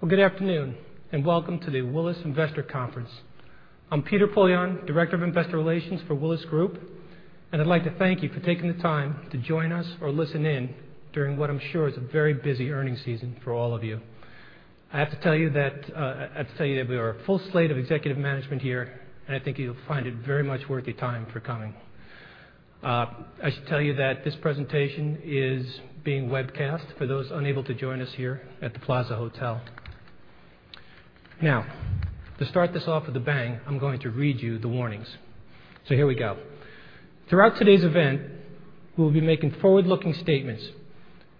Well, good afternoon, and welcome to the Willis Investor Conference. I'm Peter Pooley, Director of Investor Relations for Willis Group, and I'd like to thank you for taking the time to join us or listen in during what I'm sure is a very busy earnings season for all of you. I have to tell you that we have a full slate of executive management here, and I think you'll find it very much worth your time for coming. I should tell you that this presentation is being webcast for those unable to join us here at the Plaza Hotel. To start this off with a bang, I'm going to read you the warnings. Here we go. Throughout today's event, we'll be making forward-looking statements.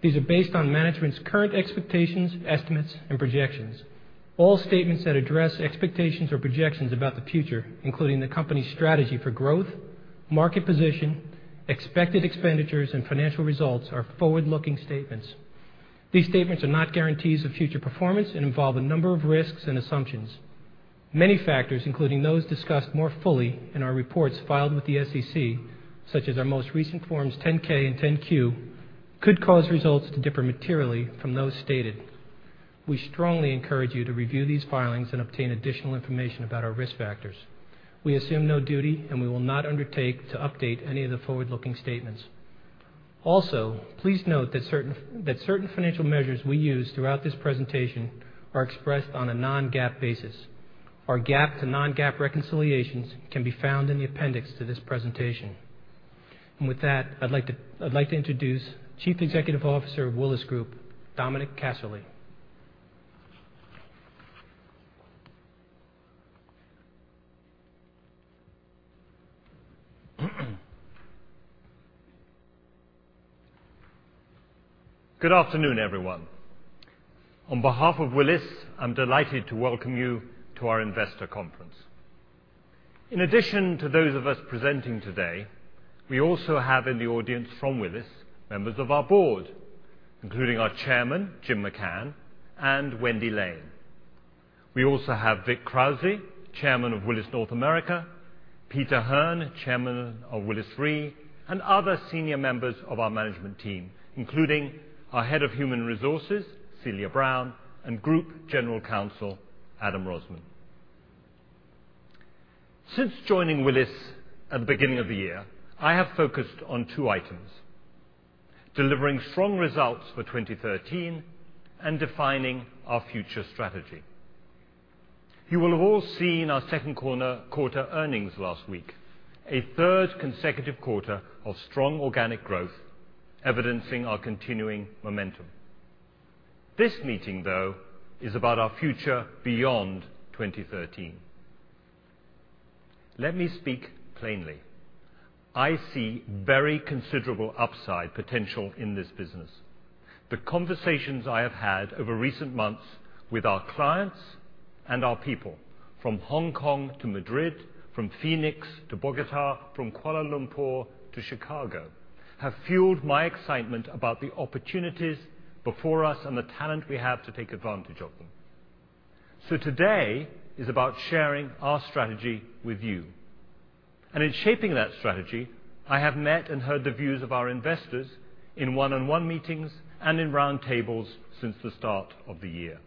These are based on management's current expectations, estimates, and projections. All statements that address expectations or projections about the future, including the company's strategy for growth, market position, expected expenditures, and financial results, are forward-looking statements. These statements are not guarantees of future performance and involve a number of risks and assumptions. Many factors, including those discussed more fully in our reports filed with the SEC, such as our most recent Forms 10-K and 10-Q, could cause results to differ materially from those stated. We strongly encourage you to review these filings and obtain additional information about our risk factors. We assume no duty and we will not undertake to update any of the forward-looking statements. Please note that certain financial measures we use throughout this presentation are expressed on a non-GAAP basis. Our GAAP to non-GAAP reconciliations can be found in the appendix to this presentation. With that, I'd like to introduce Chief Executive Officer of Willis Group, Dominic Casserley. Good afternoon, everyone. On behalf of Willis, I'm delighted to welcome you to our investor conference. In addition to those of us presenting today, we also have in the audience from Willis, members of our board, including our chairman, Jim McCann, and Wendy Lane. We also have Vic Krauze, Chairman of Willis North America, Peter Hearn, Chairman of Willis Re, and other senior members of our management team, including our Head of Human Resources, Anne Bodnar, and Group General Counsel, Adam Rosman. Since joining Willis at the beginning of the year, I have focused on two items, delivering strong results for 2013 and defining our future strategy. You will have all seen our second quarter earnings last week, a third consecutive quarter of strong organic growth evidencing our continuing momentum. This meeting, though, is about our future beyond 2013. Let me speak plainly. I see very considerable upside potential in this business. The conversations I have had over recent months with our clients and our people from Hong Kong to Madrid, from Phoenix to Bogota, from Kuala Lumpur to Chicago, have fueled my excitement about the opportunities before us and the talent we have to take advantage of them. Today is about sharing our strategy with you. In shaping that strategy, I have met and heard the views of our investors in one-on-one meetings and in round tables since the start of the year.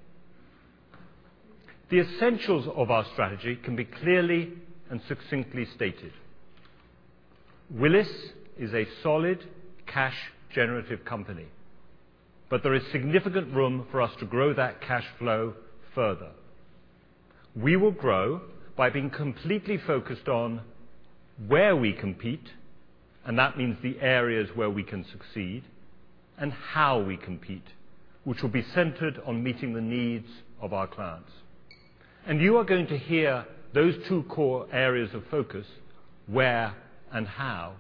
The essentials of our strategy can be clearly and succinctly stated. Willis is a solid cash generative company, there is significant room for us to grow that cash flow further. We will grow by being completely focused on where we compete, and that means the areas where we can succeed, and how we compete, which will be centered on meeting the needs of our clients. You are going to hear those two core areas of focus, where and how,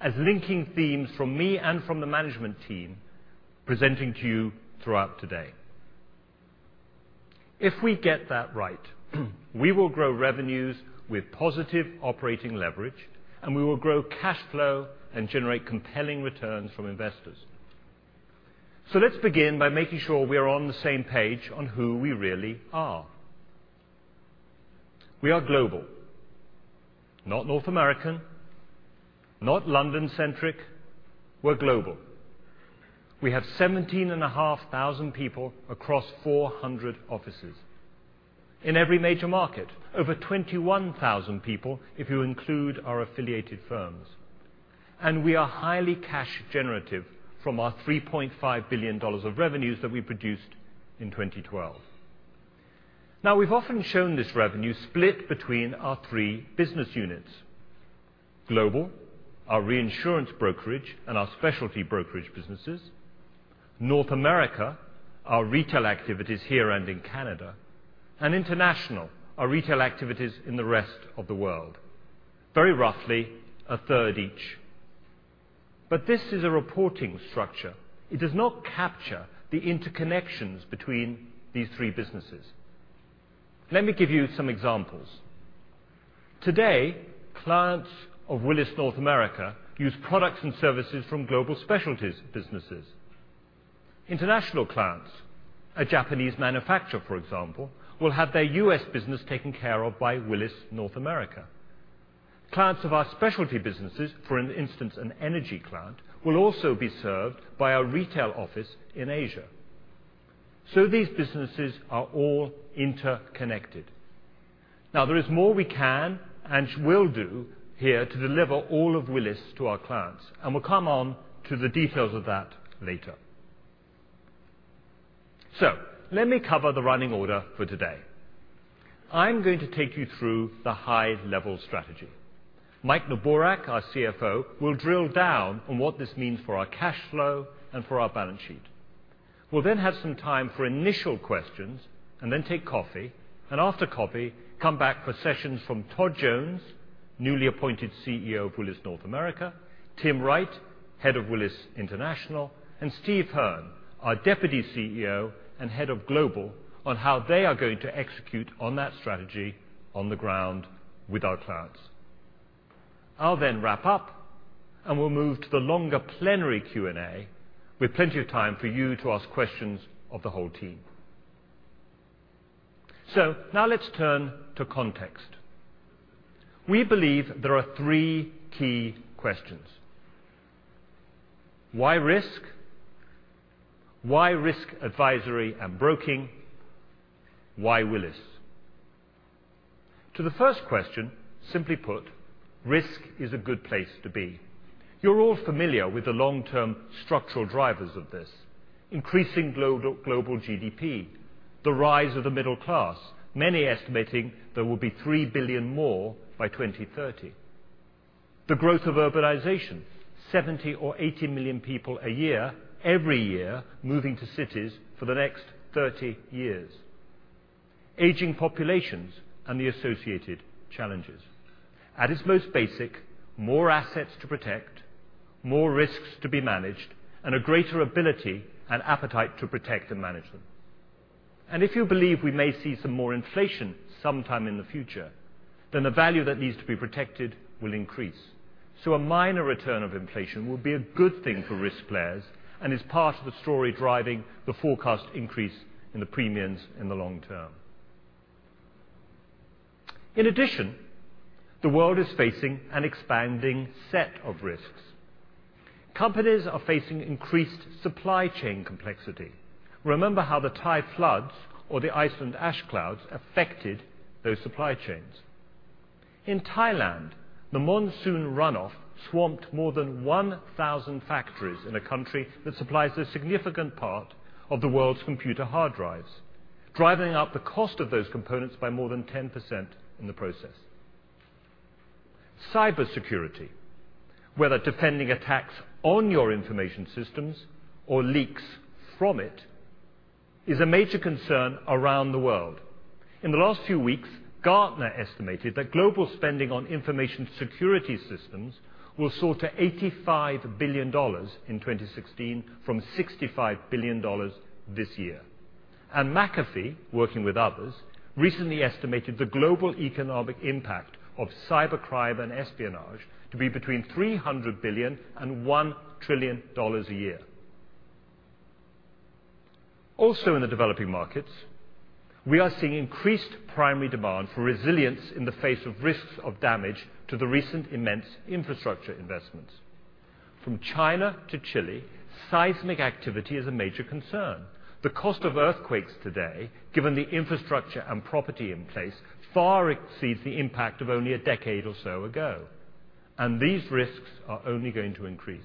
as linking themes from me and from the management team presenting to you throughout today. If we get that right, we will grow revenues with positive operating leverage, and we will grow cash flow and generate compelling returns from investors. Let's begin by making sure we are on the same page on who we really are. We are Global. Not North American, not London-centric. We're Global. We have 17,500 people across 400 offices in every major market. Over 21,000 people if you include our affiliated firms. We are highly cash generative from our $3.5 billion of revenues that we produced in 2012. We've often shown this revenue split between our three business units. Global, our reinsurance brokerage, and our specialty brokerage businesses. North America, our retail activities here and in Canada, and International, our retail activities in the rest of the world. Very roughly a third each. This is a reporting structure. It does not capture the interconnections between these three businesses. Let me give you some examples. Today, clients of Willis North America use products and services from Global specialties businesses. International clients, a Japanese manufacturer, for example, will have their U.S. business taken care of by Willis North America. Clients of our specialty businesses, for instance, an energy client, will also be served by our retail office in Asia. These businesses are all interconnected. There is more we can and will do here to deliver all of Willis to our clients, and we'll come on to the details of that later. Let me cover the running order for today. I'm going to take you through the high-level strategy. Mike Noonan, our CFO, will drill down on what this means for our cash flow and for our balance sheet. We'll then have some time for initial questions and then take coffee, and after coffee, come back for sessions from Todd Jones, newly appointed CEO of Willis North America, Tim Wright, head of Willis International, and Steve Hearn, our Deputy CEO and head of Global, on how they are going to execute on that strategy on the ground with our clients. I'll then wrap up, and we'll move to the longer plenary Q&A with plenty of time for you to ask questions of the whole team. Now let's turn to context. We believe there are three key questions. Why risk? Why risk advisory and broking? Why Willis? To the first question, simply put, risk is a good place to be. You're all familiar with the long-term structural drivers of this. Increasing global GDP, the rise of the middle class, many estimating there will be three billion more by 2030. The growth of urbanization, 70 or 80 million people a year, every year, moving to cities for the next 30 years. Aging populations and the associated challenges. At its most basic, more assets to protect, more risks to be managed, and a greater ability and appetite to protect and manage them. If you believe we may see some more inflation sometime in the future, the value that needs to be protected will increase. A minor return of inflation will be a good thing for risk players and is part of the story driving the forecast increase in the premiums in the long term. In addition, the world is facing an expanding set of risks. Companies are facing increased supply chain complexity. Remember how the Thai floods or the Iceland ash clouds affected those supply chains. In Thailand, the monsoon runoff swamped more than 1,000 factories in a country that supplies a significant part of the world's computer hard drives, driving up the cost of those components by more than 10% in the process. Cybersecurity, whether defending attacks on your information systems or leaks from it, is a major concern around the world. In the last few weeks, Gartner estimated that global spending on information security systems will soar to $85 billion in 2016 from $65 billion this year. McAfee, working with others, recently estimated the global economic impact of cybercrime and espionage to be between $300 billion and $1 trillion a year. Also in the developing markets, we are seeing increased primary demand for resilience in the face of risks of damage to the recent immense infrastructure investments. From China to Chile, seismic activity is a major concern. The cost of earthquakes today, given the infrastructure and property in place, far exceeds the impact of only a decade or so ago, and these risks are only going to increase.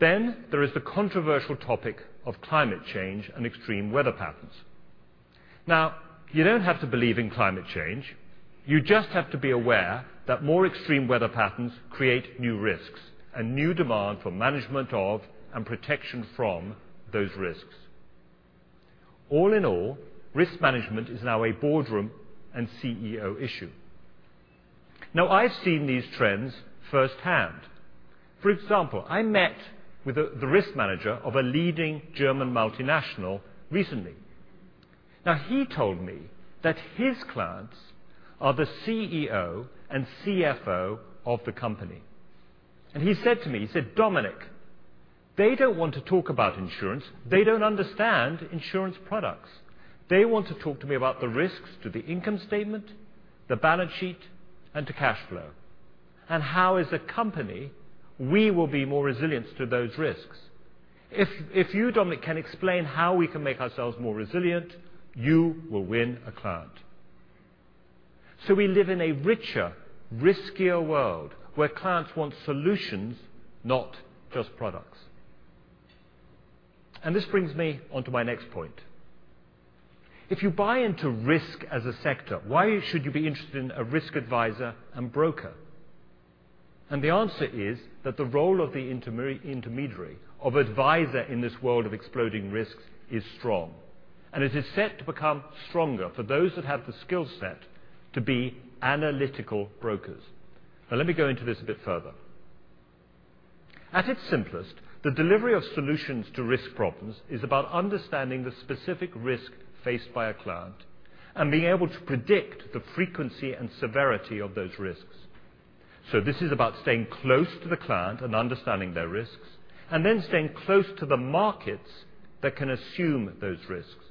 There is the controversial topic of climate change and extreme weather patterns. Now, you don't have to believe in climate change. You just have to be aware that more extreme weather patterns create new risks and new demand for management of and protection from those risks. All in all, risk management is now a boardroom and CEO issue. Now, I've seen these trends firsthand. For example, I met with the risk manager of a leading German multinational recently. Now, he told me that his clients are the CEO and CFO of the company. He said to me, he said, "Dominic, they don't want to talk about insurance. They don't understand insurance products. They want to talk to me about the risks to the income statement, the balance sheet, and to cash flow, and how as a company, we will be more resilient to those risks. If you, Dominic, can explain how we can make ourselves more resilient, you will win a client." We live in a richer, riskier world where clients want solutions, not just products. This brings me on to my next point. If you buy into risk as a sector, why should you be interested in a risk advisor and broker? The answer is that the role of the intermediary of advisor in this world of exploding risks is strong, and it is set to become stronger for those that have the skill set to be analytical brokers. Let me go into this a bit further. At its simplest, the delivery of solutions to risk problems is about understanding the specific risk faced by a client and being able to predict the frequency and severity of those risks. This is about staying close to the client and understanding their risks, and then staying close to the markets that can assume those risks.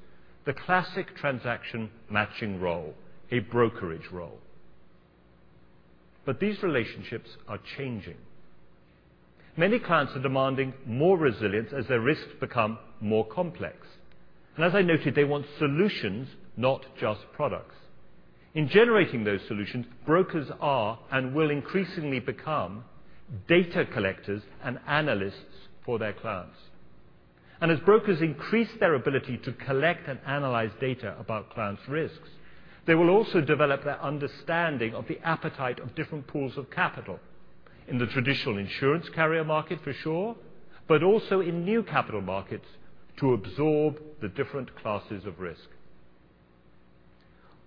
The classic transaction matching role, a brokerage role. These relationships are changing. Many clients are demanding more resilience as their risks become more complex. As I noted, they want solutions, not just products. In generating those solutions, brokers are and will increasingly become data collectors and analysts for their clients. As brokers increase their ability to collect and analyze data about clients' risks, they will also develop their understanding of the appetite of different pools of capital in the traditional insurance carrier market for sure, but also in new capital markets to absorb the different classes of risk.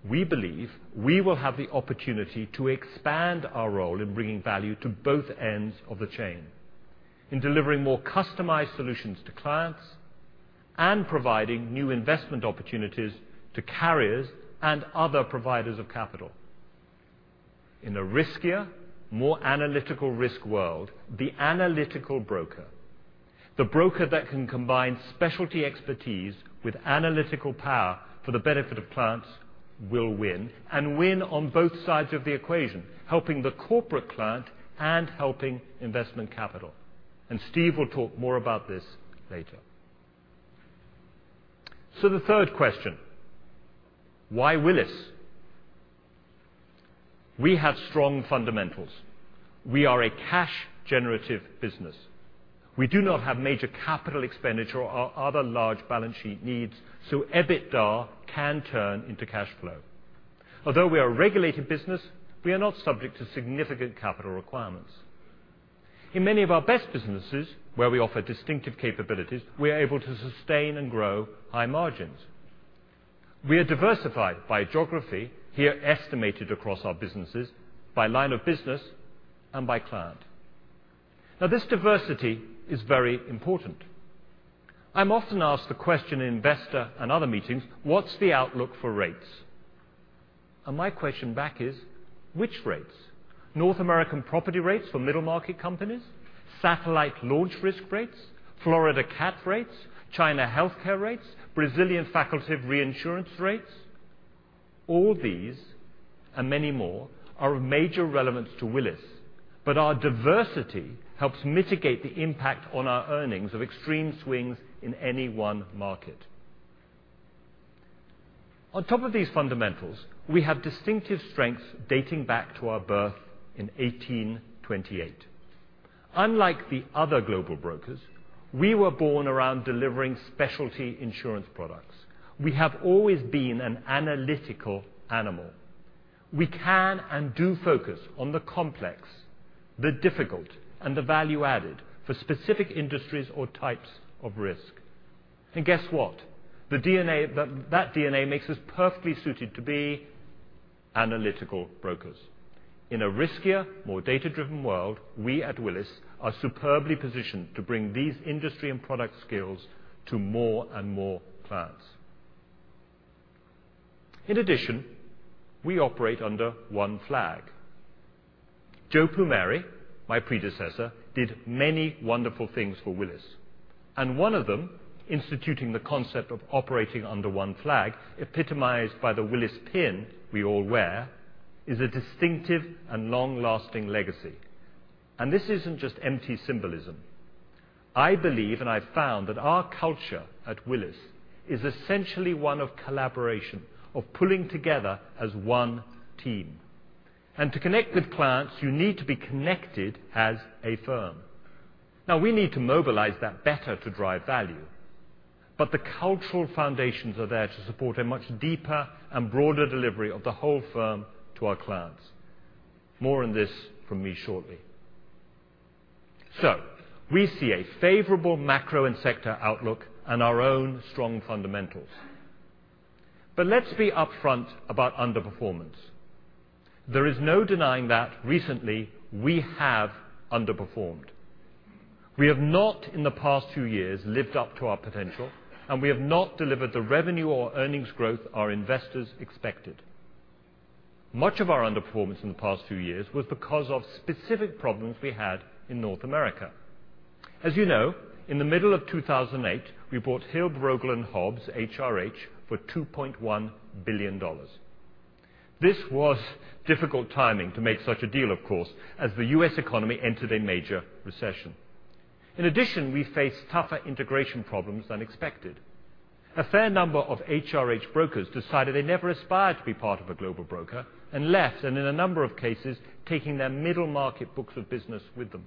We believe we will have the opportunity to expand our role in bringing value to both ends of the chain, in delivering more customized solutions to clients, and providing new investment opportunities to carriers and other providers of capital. In a riskier, more analytical risk world, the analytical broker, the broker that can combine specialty expertise with analytical power for the benefit of clients will win and win on both sides of the equation, helping the corporate client and helping investment capital. Steve will talk more about this later. The third question, why Willis? We have strong fundamentals. We are a cash generative business. We do not have major capital expenditure or other large balance sheet needs, so EBITDA can turn into cash flow. Although we are a regulated business, we are not subject to significant capital requirements. In many of our best businesses, where we offer distinctive capabilities, we are able to sustain and grow high margins. We are diversified by geography, here estimated across our businesses by line of business and by client. This diversity is very important. I'm often asked the question in investor and other meetings, "What's the outlook for rates?" My question back is, which rates? North American property rates for middle market companies, satellite launch risk rates, Florida cat rates, China healthcare rates, Brazilian facultative reinsurance rates? All these and many more are of major relevance to Willis, our diversity helps mitigate the impact on our earnings of extreme swings in any one market. On top of these fundamentals, we have distinctive strengths dating back to our birth in 1828. Unlike the other global brokers, we were born around delivering specialty insurance products. We have always been an analytical animal. We can and do focus on the complex, the difficult, and the value added for specific industries or types of risk. Guess what? That DNA makes us perfectly suited to be analytical brokers. In a riskier, more data-driven world, we at Willis are superbly positioned to bring these industry and product skills to more and more clients. In addition, we operate under one flag. Joe Plumeri, my predecessor, did many wonderful things for Willis. One of them, instituting the concept of operating under one flag, epitomized by the Willis pin we all wear, is a distinctive and long-lasting legacy. This isn't just empty symbolism. I believe and I've found that our culture at Willis is essentially one of collaboration, of pulling together as one team. To connect with clients, you need to be connected as a firm. Now, we need to mobilize that better to drive value. The cultural foundations are there to support a much deeper and broader delivery of the whole firm to our clients. More on this from me shortly. We see a favorable macro and sector outlook and our own strong fundamentals. Let's be upfront about underperformance. There is no denying that recently we have underperformed. We have not, in the past two years, lived up to our potential, and we have not delivered the revenue or earnings growth our investors expected. Much of our underperformance in the past two years was because of specific problems we had in North America. As you know, in the middle of 2008, we bought Hilb Rogal & Hobbs, HRH, for $2.1 billion. This was difficult timing to make such a deal, of course, as the U.S. economy entered a major recession. In addition, we faced tougher integration problems than expected. A fair number of HRH brokers decided they never aspired to be part of a global broker and left, and in a number of cases, taking their middle-market books of business with them.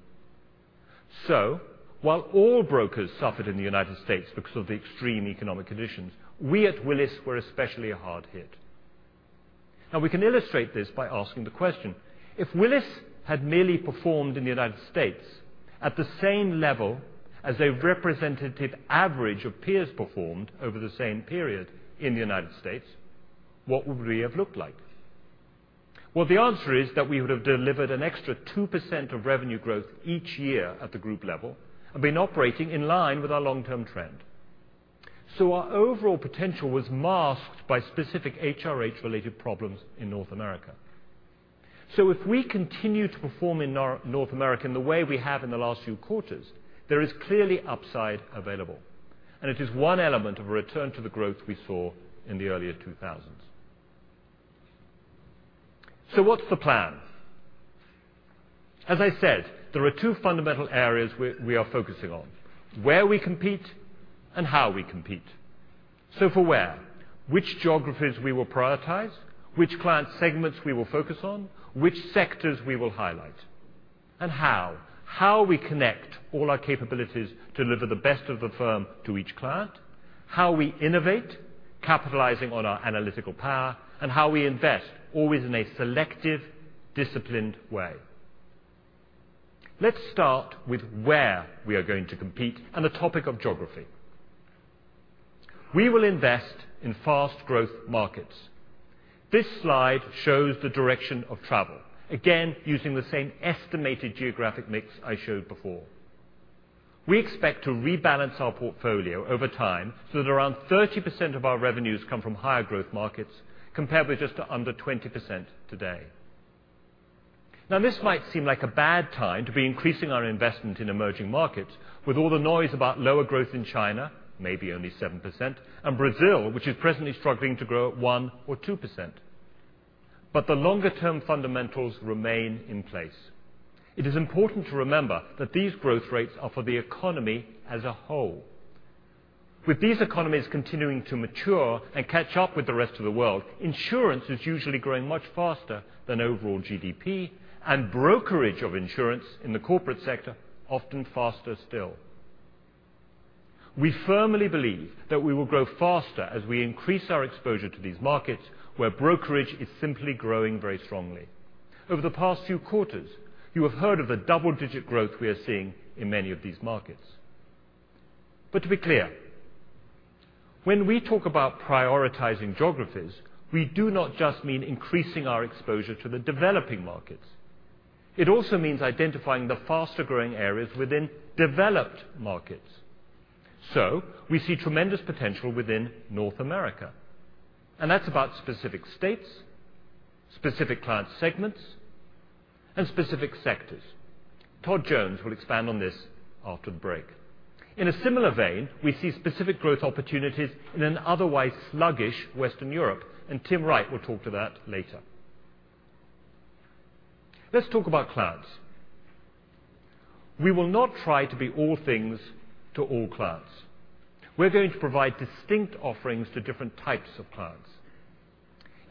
While all brokers suffered in the U.S. because of the extreme economic conditions, we at Willis were especially hard hit. Now, we can illustrate this by asking the question, if Willis had merely performed in the U.S. at the same level as a representative average of peers performed over the same period in the U.S., what would we have looked like? Well, the answer is that we would have delivered an extra 2% of revenue growth each year at the group level and been operating in line with our long-term trend. Our overall potential was masked by specific HRH related problems in North America. If we continue to perform in North America in the way we have in the last few quarters, there is clearly upside available. It is one element of a return to the growth we saw in the earlier 2000s. What's the plan? As I said, there are two fundamental areas we are focusing on, where we compete and how we compete. For where, which geographies we will prioritize, which client segments we will focus on, which sectors we will highlight. How we connect all our capabilities to deliver the best of the firm to each client, how we innovate, capitalizing on our analytical power, and how we invest, always in a selective, disciplined way. Let's start with where we are going to compete and the topic of geography. We will invest in fast growth markets. This slide shows the direction of travel, again, using the same estimated geographic mix I showed before. We expect to rebalance our portfolio over time so that around 30% of our revenues come from higher growth markets, compared with just under 20% today. This might seem like a bad time to be increasing our investment in emerging markets with all the noise about lower growth in China, maybe only 7%, and Brazil, which is presently struggling to grow at 1% or 2%. The longer term fundamentals remain in place. It is important to remember that these growth rates are for the economy as a whole. With these economies continuing to mature and catch up with the rest of the world, insurance is usually growing much faster than overall GDP, and brokerage of insurance in the corporate sector, often faster still. We firmly believe that we will grow faster as we increase our exposure to these markets where brokerage is simply growing very strongly. Over the past few quarters, you have heard of the double-digit growth we are seeing in many of these markets. To be clear, when we talk about prioritizing geographies, we do not just mean increasing our exposure to the developing markets. It also means identifying the faster-growing areas within developed markets. We see tremendous potential within North America, and that's about specific states, specific client segments, and specific sectors. Todd Jones will expand on this after the break. In a similar vein, we see specific growth opportunities in an otherwise sluggish Western Europe, and Tim Wright will talk to that later. Let's talk about clients. We will not try to be all things to all clients. We're going to provide distinct offerings to different types of clients.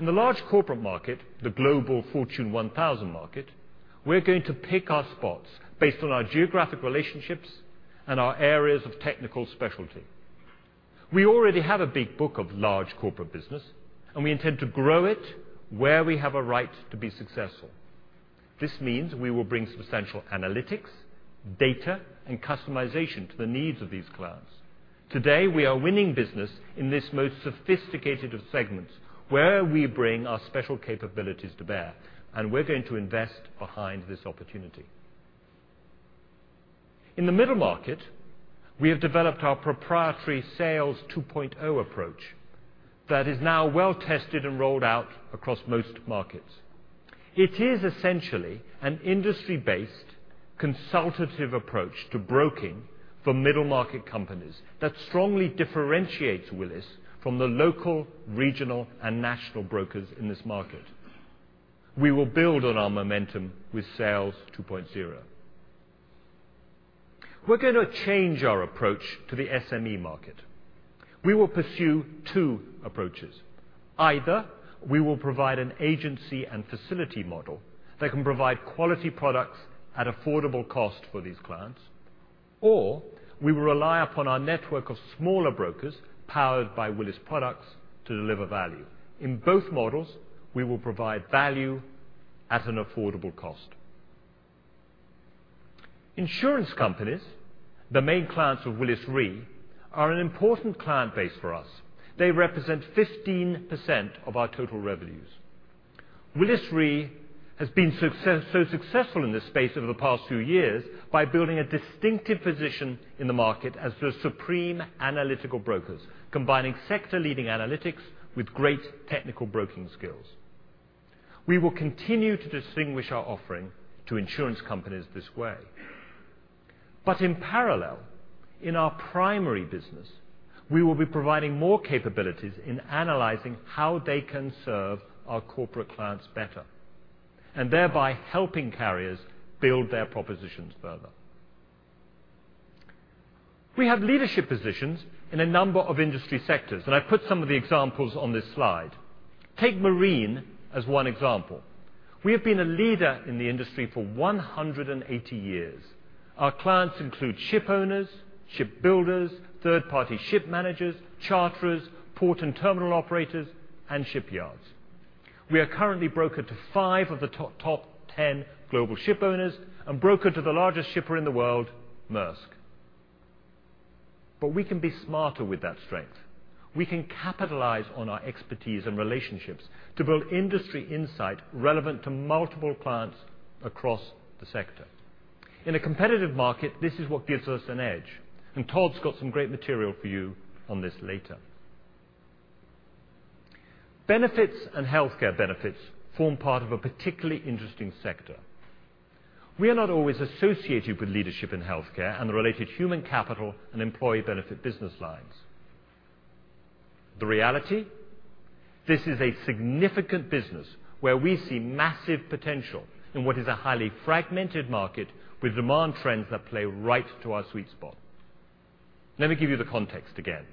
In the large corporate market, the global Fortune 1000 market, we're going to pick our spots based on our geographic relationships and our areas of technical specialty. We already have a big book of large corporate business, we intend to grow it where we have a right to be successful. This means we will bring substantial analytics, data, and customization to the needs of these clients. Today, we are winning business in this most sophisticated of segments, where we bring our special capabilities to bear, and we're going to invest behind this opportunity. In the middle market, we have developed our proprietary Sales 2.0 approach that is now well tested and rolled out across most markets. It is essentially an industry-based consultative approach to broking for middle market companies that strongly differentiates Willis from the local, regional, and national brokers in this market. We will build on our momentum with Sales 2.0. We're going to change our approach to the SME market. We will pursue two approaches. Either we will provide an agency and facility model that can provide quality products at affordable cost for these clients, or we will rely upon our network of smaller brokers powered by Willis products to deliver value. In both models, we will provide value at an affordable cost. Insurance companies, the main clients of Willis Re, are an important client base for us. They represent 15% of our total revenues. Willis Re has been so successful in this space over the past few years by building a distinctive position in the market as the supreme analytical brokers, combining sector leading analytics with great technical broking skills. We will continue to distinguish our offering to insurance companies this way. In parallel, in our primary business, we will be providing more capabilities in analyzing how they can serve our corporate clients better, and thereby helping carriers build their propositions further. We have leadership positions in a number of industry sectors. I put some of the examples on this slide. Take Marine as one example. We have been a leader in the industry for 180 years. Our clients include ship owners, ship builders, third party ship managers, charterers, port and terminal operators, and shipyards. We are currently broker to five of the top 10 global ship owners and broker to the largest shipper in the world, Maersk. We can be smarter with that strength. We can capitalize on our expertise and relationships to build industry insight relevant to multiple clients across the sector. In a competitive market, this is what gives us an edge. Todd's got some great material for you on this later. Benefits and healthcare benefits form part of a particularly interesting sector. We are not always associated with leadership in healthcare and the related human capital and employee benefit business lines. The reality, this is a significant business where we see massive potential in what is a highly fragmented market with demand trends that play right to our sweet spot. Let me give you the context again.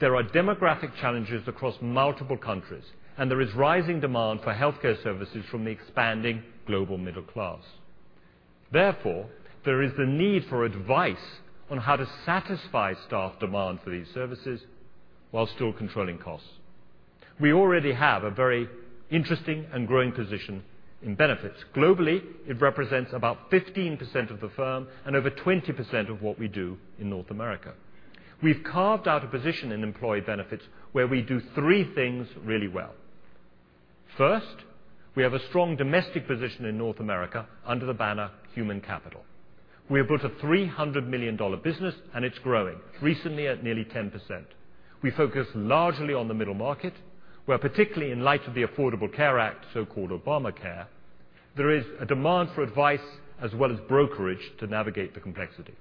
There are demographic challenges across multiple countries, and there is rising demand for healthcare services from the expanding global middle class. Therefore, there is the need for advice on how to satisfy staff demand for these services while still controlling costs. We already have a very interesting and growing position in benefits. Globally, it represents about 15% of the firm and over 20% of what we do in North America. We've carved out a position in employee benefits where we do three things really well. First, we have a strong domestic position in North America under the banner Human Capital. We have built a $300 million business, and it's growing, recently at nearly 10%. We focus largely on the middle market, where particularly in light of the Affordable Care Act, so-called Obamacare, there is a demand for advice as well as brokerage to navigate the complexity.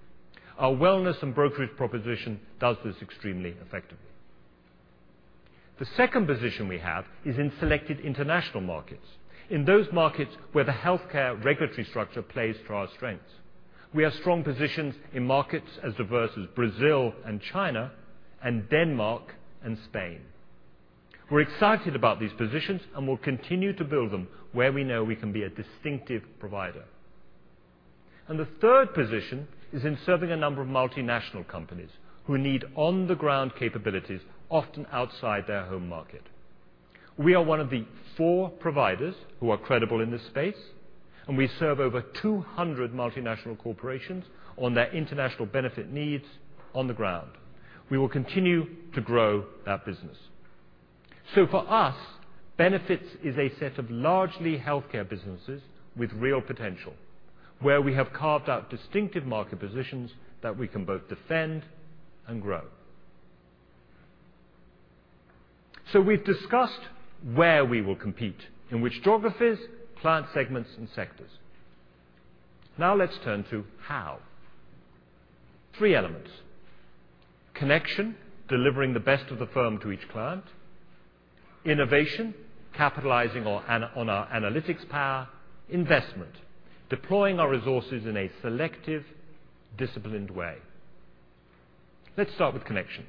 Our wellness and brokerage proposition does this extremely effectively. The second position we have is in selected international markets, in those markets where the healthcare regulatory structure plays to our strengths. We have strong positions in markets as diverse as Brazil and China, and Denmark and Spain. We're excited about these positions and will continue to build them where we know we can be a distinctive provider. The third position is in serving a number of multinational companies who need on-the-ground capabilities, often outside their home market. We are one of the four providers who are credible in this space, and we serve over 200 multinational corporations on their international benefit needs on the ground. We will continue to grow that business. For us, Benefits is a set of largely healthcare businesses with real potential, where we have carved out distinctive market positions that we can both defend and grow. We've discussed where we will compete, in which geographies, client segments, and sectors. Now let's turn to how. Three elements. Connection, delivering the best of the firm to each client. Innovation, capitalizing on our analytics power. Investment, deploying our resources in a selective, disciplined way. Let's start with connection.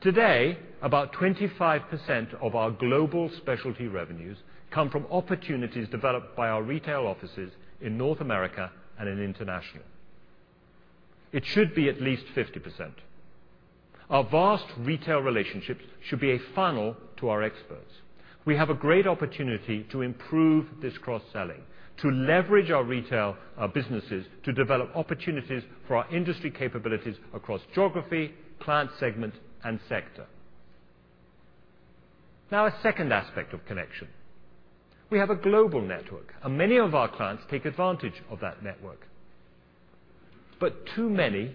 Today, about 25% of our global specialty revenues come from opportunities developed by our retail offices in North America and in International. It should be at least 50%. Our vast retail relationships should be a funnel to our experts. We have a great opportunity to improve this cross-selling, to leverage our retail businesses to develop opportunities for our industry capabilities across geography, client segment, and sector. Now, a second aspect of connection. We have a global network, and many of our clients take advantage of that network, but too many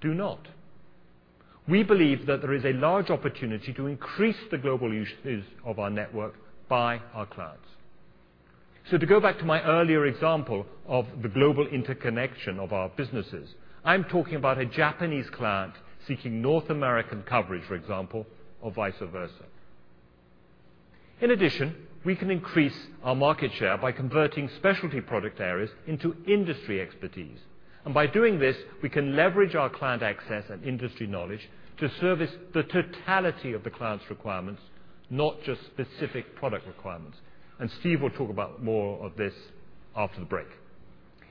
do not. We believe that there is a large opportunity to increase the global uses of our network by our clients. To go back to my earlier example of the global interconnection of our businesses, I'm talking about a Japanese client seeking North American coverage, for example, or vice versa. In addition, we can increase our market share by converting specialty product areas into industry expertise. By doing this, we can leverage our client access and industry knowledge to service the totality of the client's requirements, not just specific product requirements. Steve will talk about more of this after the break.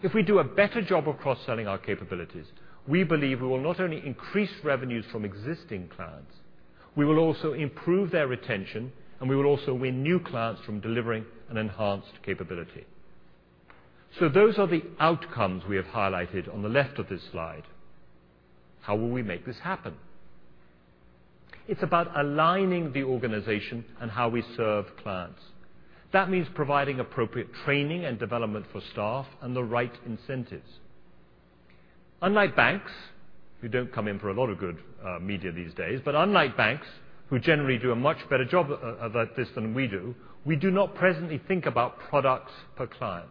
If we do a better job of cross-selling our capabilities, we believe we will not only increase revenues from existing clients, we will also improve their retention, and we will also win new clients from delivering an enhanced capability. Those are the outcomes we have highlighted on the left of this slide. How will we make this happen? It's about aligning the organization and how we serve clients. That means providing appropriate training and development for staff and the right incentives. Unlike banks, who don't come in for a lot of good media these days, unlike banks, who generally do a much better job about this than we do, we do not presently think about products per client.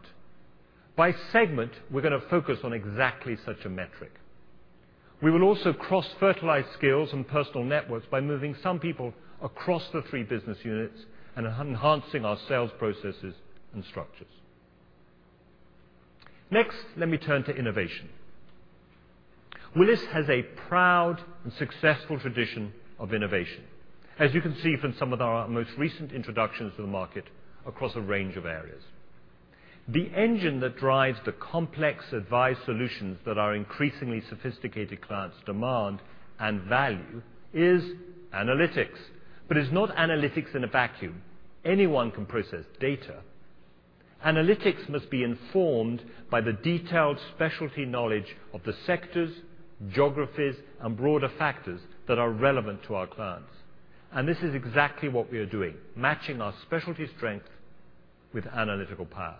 By segment, we're going to focus on exactly such a metric. We will also cross-fertilize skills and personal networks by moving some people across the three business units and enhancing our sales processes and structures. Next, let me turn to innovation. Willis has a proud and successful tradition of innovation, as you can see from some of our most recent introductions to the market across a range of areas. The engine that drives the complex advice solutions that our increasingly sophisticated clients demand and value is analytics. It's not analytics in a vacuum. Anyone can process data. Analytics must be informed by the detailed specialty knowledge of the sectors, geographies, and broader factors that are relevant to our clients. This is exactly what we are doing, matching our specialty strength with analytical power.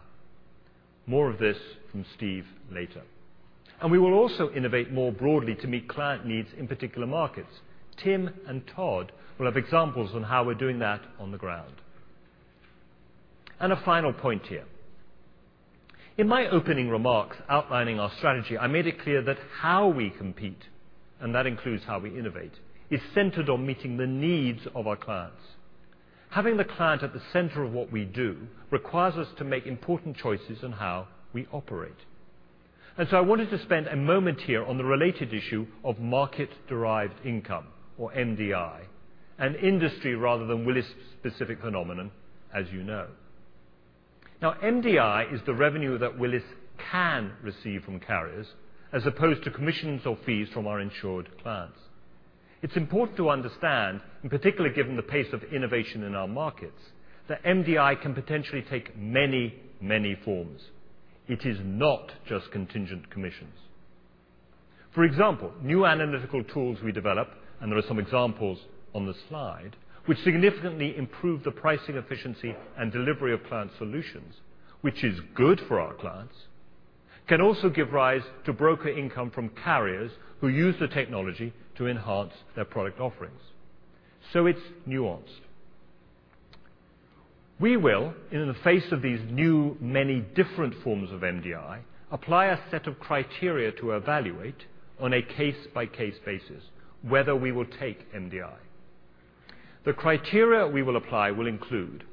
More of this from Steve later. We will also innovate more broadly to meet client needs in particular markets. Tim and Todd will have examples on how we're doing that on the ground. A final point here. In my opening remarks outlining our strategy, I made it clear that how we compete, and that includes how we innovate, is centered on meeting the needs of our clients. Having the client at the center of what we do requires us to make important choices on how we operate. I wanted to spend a moment here on the related issue of market derived income or MDI, an industry rather than Willis specific phenomenon, as you know. MDI is the revenue that Willis can receive from carriers, as opposed to commissions or fees from our insured clients. It's important to understand, and particularly given the pace of innovation in our markets, that MDI can potentially take many forms. It is not just contingent commissions. For example, new analytical tools we develop, and there are some examples on the slide, which significantly improve the pricing efficiency and delivery of client solutions, which is good for our clients, can also give rise to broker income from carriers who use the technology to enhance their product offerings. It's nuanced. We will, in the face of these new many different forms of MDI, apply a set of criteria to evaluate on a case-by-case basis whether we will take MDI. The criteria we will apply will include,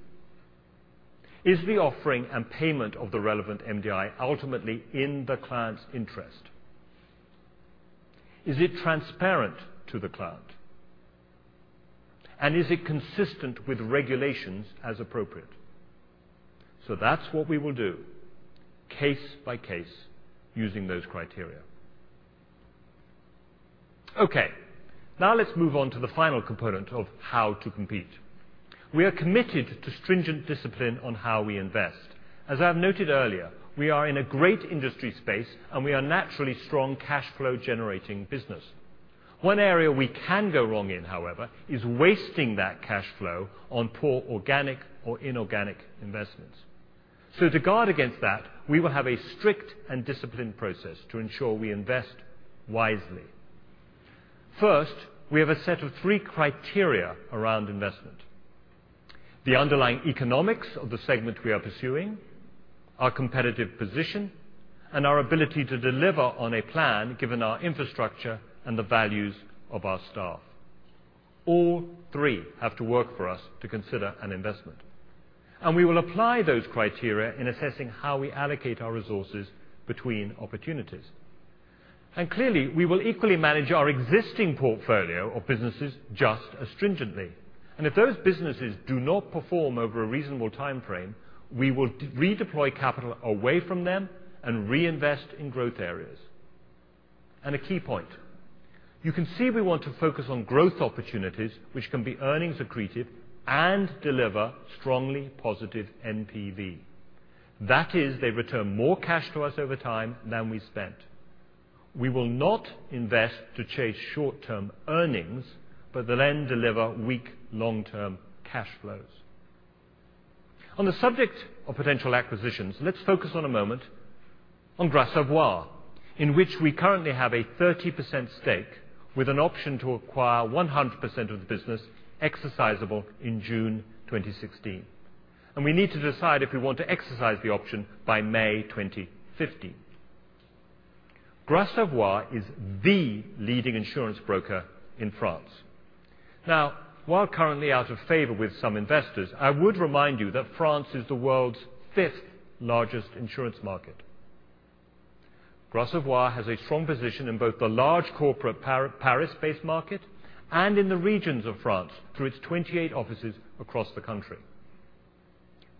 is the offering and payment of the relevant MDI ultimately in the client's interest? Is it transparent to the client? Is it consistent with regulations as appropriate? That's what we will do case by case using those criteria. Let's move on to the final component of how to compete. We are committed to stringent discipline on how we invest. As I've noted earlier, we are in a great industry space, we are naturally strong cash flow generating business. One area we can go wrong in, however, is wasting that cash flow on poor organic or inorganic investments. To guard against that, we will have a strict and disciplined process to ensure we invest wisely. First, we have a set of three criteria around investment. The underlying economics of the segment we are pursuing, our competitive position, and our ability to deliver on a plan given our infrastructure and the values of our staff. All three have to work for us to consider an investment. We will apply those criteria in assessing how we allocate our resources between opportunities. Clearly, we will equally manage our existing portfolio of businesses just as stringently. If those businesses do not perform over a reasonable timeframe, we will redeploy capital away from them and reinvest in growth areas. A key point, you can see we want to focus on growth opportunities which can be earnings accretive and deliver strongly positive NPV. That is, they return more cash to us over time than we spent. We will not invest to chase short-term earnings, but then deliver weak long-term cash flows. On the subject of potential acquisitions, let's focus on a moment on Gras Savoye, in which we currently have a 30% stake with an option to acquire 100% of the business exercisable in June 2016. We need to decide if we want to exercise the option by May 2015. Gras Savoye is the leading insurance broker in France. While currently out of favor with some investors, I would remind you that France is the world's fifth largest insurance market. Gras Savoye has a strong position in both the large corporate Paris-based market and in the regions of France through its 28 offices across the country.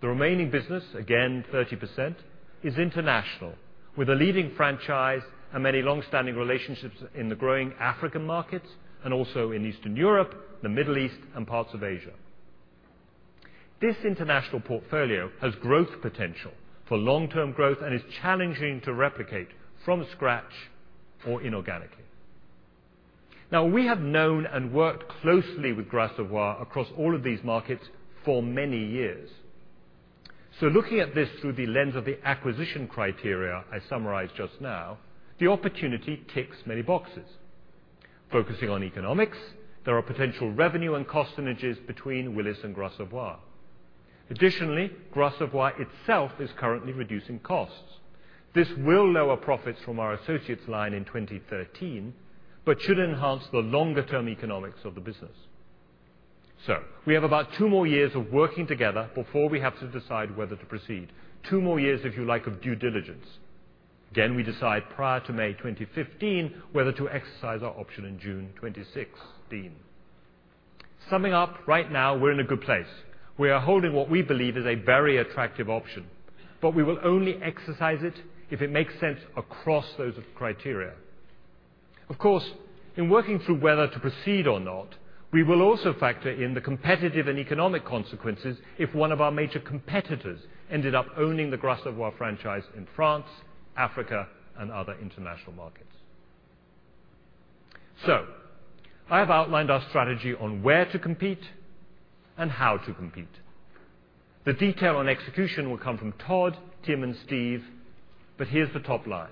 The remaining business, again, 30%, is international, with a leading franchise and many long-standing relationships in the growing African markets and also in Eastern Europe, the Middle East, and parts of Asia. This international portfolio has growth potential for long-term growth and is challenging to replicate from scratch or inorganically. We have known and worked closely with Gras Savoye across all of these markets for many years. Looking at this through the lens of the acquisition criteria I summarized just now, the opportunity ticks many boxes. Focusing on economics, there are potential revenue and cost synergies between Willis and Gras Savoye. Additionally, Gras Savoye itself is currently reducing costs. This will lower profits from our associates line in 2013 but should enhance the longer term economics of the business. We have about two more years of working together before we have to decide whether to proceed. Two more years, if you like, of due diligence. Again, we decide prior to May 2015 whether to exercise our option in June 2016. Summing up, right now we're in a good place. We are holding what we believe is a very attractive option. We will only exercise it if it makes sense across those criteria. Of course, in working through whether to proceed or not, we will also factor in the competitive and economic consequences if one of our major competitors ended up owning the Gras Savoye franchise in France, Africa, and other international markets. I have outlined our strategy on where to compete and how to compete. The detail on execution will come from Todd, Tim, and Steve, but here's the top line.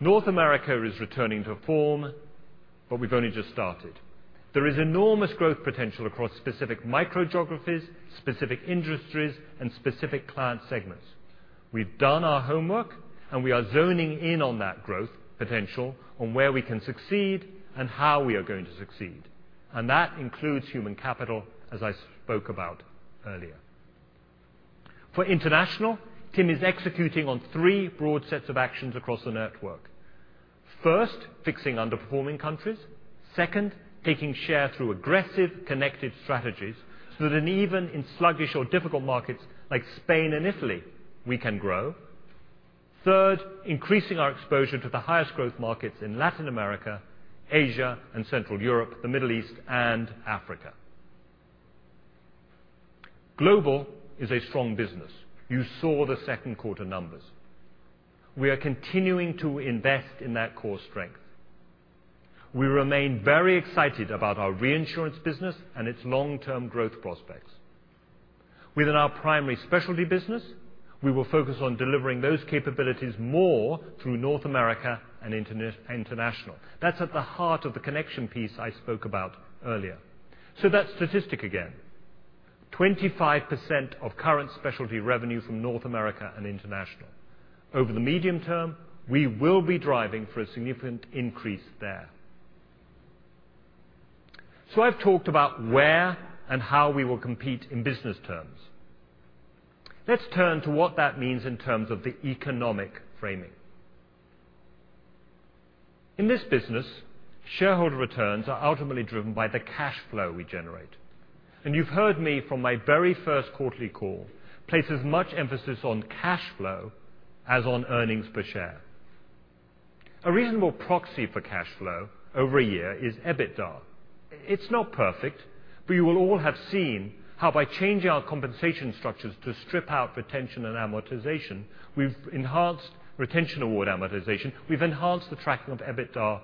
Willis North America is returning to form, but we've only just started. There is enormous growth potential across specific micro geographies, specific industries, and specific client segments. We've done our homework, we are zoning in on that growth potential on where we can succeed and how we are going to succeed. That includes human capital, as I spoke about earlier. For international, Tim is executing on three broad sets of actions across the network. First, fixing underperforming countries. Second, taking share through aggressive connected strategies so that even in sluggish or difficult markets like Spain and Italy, we can grow. Third, increasing our exposure to the highest growth markets in Latin America, Asia, and Central Europe, the Middle East, and Africa. Global is a strong business. You saw the second quarter numbers. We are continuing to invest in that core strength. We remain very excited about our reinsurance business and its long-term growth prospects. Within our primary specialty business, we will focus on delivering those capabilities more through Willis North America and Willis International. That's at the heart of the connection piece I spoke about earlier. That statistic again. 25% of current specialty revenue from Willis North America and Willis International. Over the medium term, we will be driving for a significant increase there. I've talked about where and how we will compete in business terms. Let's turn to what that means in terms of the economic framing. In this business, shareholder returns are ultimately driven by the cash flow we generate. You've heard me from my very first quarterly call, place as much emphasis on cash flow as on earnings per share. A reasonable proxy for cash flow over a year is EBITDA. It's not perfect, you will all have seen how by changing our compensation structures to strip out retention and amortization, we've enhanced retention award amortization, we've enhanced the tracking of EBITDA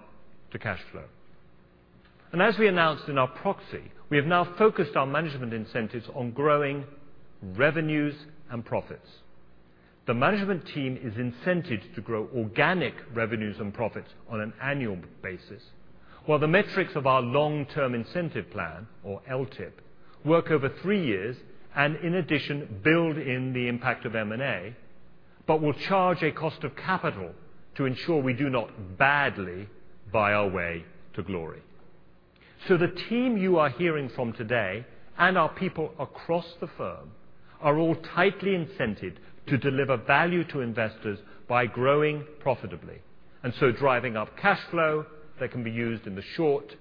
to cash flow. As we announced in our proxy, we have now focused our management incentives on growing revenues and profits. The management team is incented to grow organic revenues and profits on an annual basis, while the metrics of our long-term incentive plan, or LTIP, work over three years, and in addition, build in the impact of M&A, but will charge a cost of capital to ensure we do not badly buy our way to glory. The team you are hearing from today and our people across the firm are all tightly incented to deliver value to investors by growing profitably, driving up cash flow that can be used in the short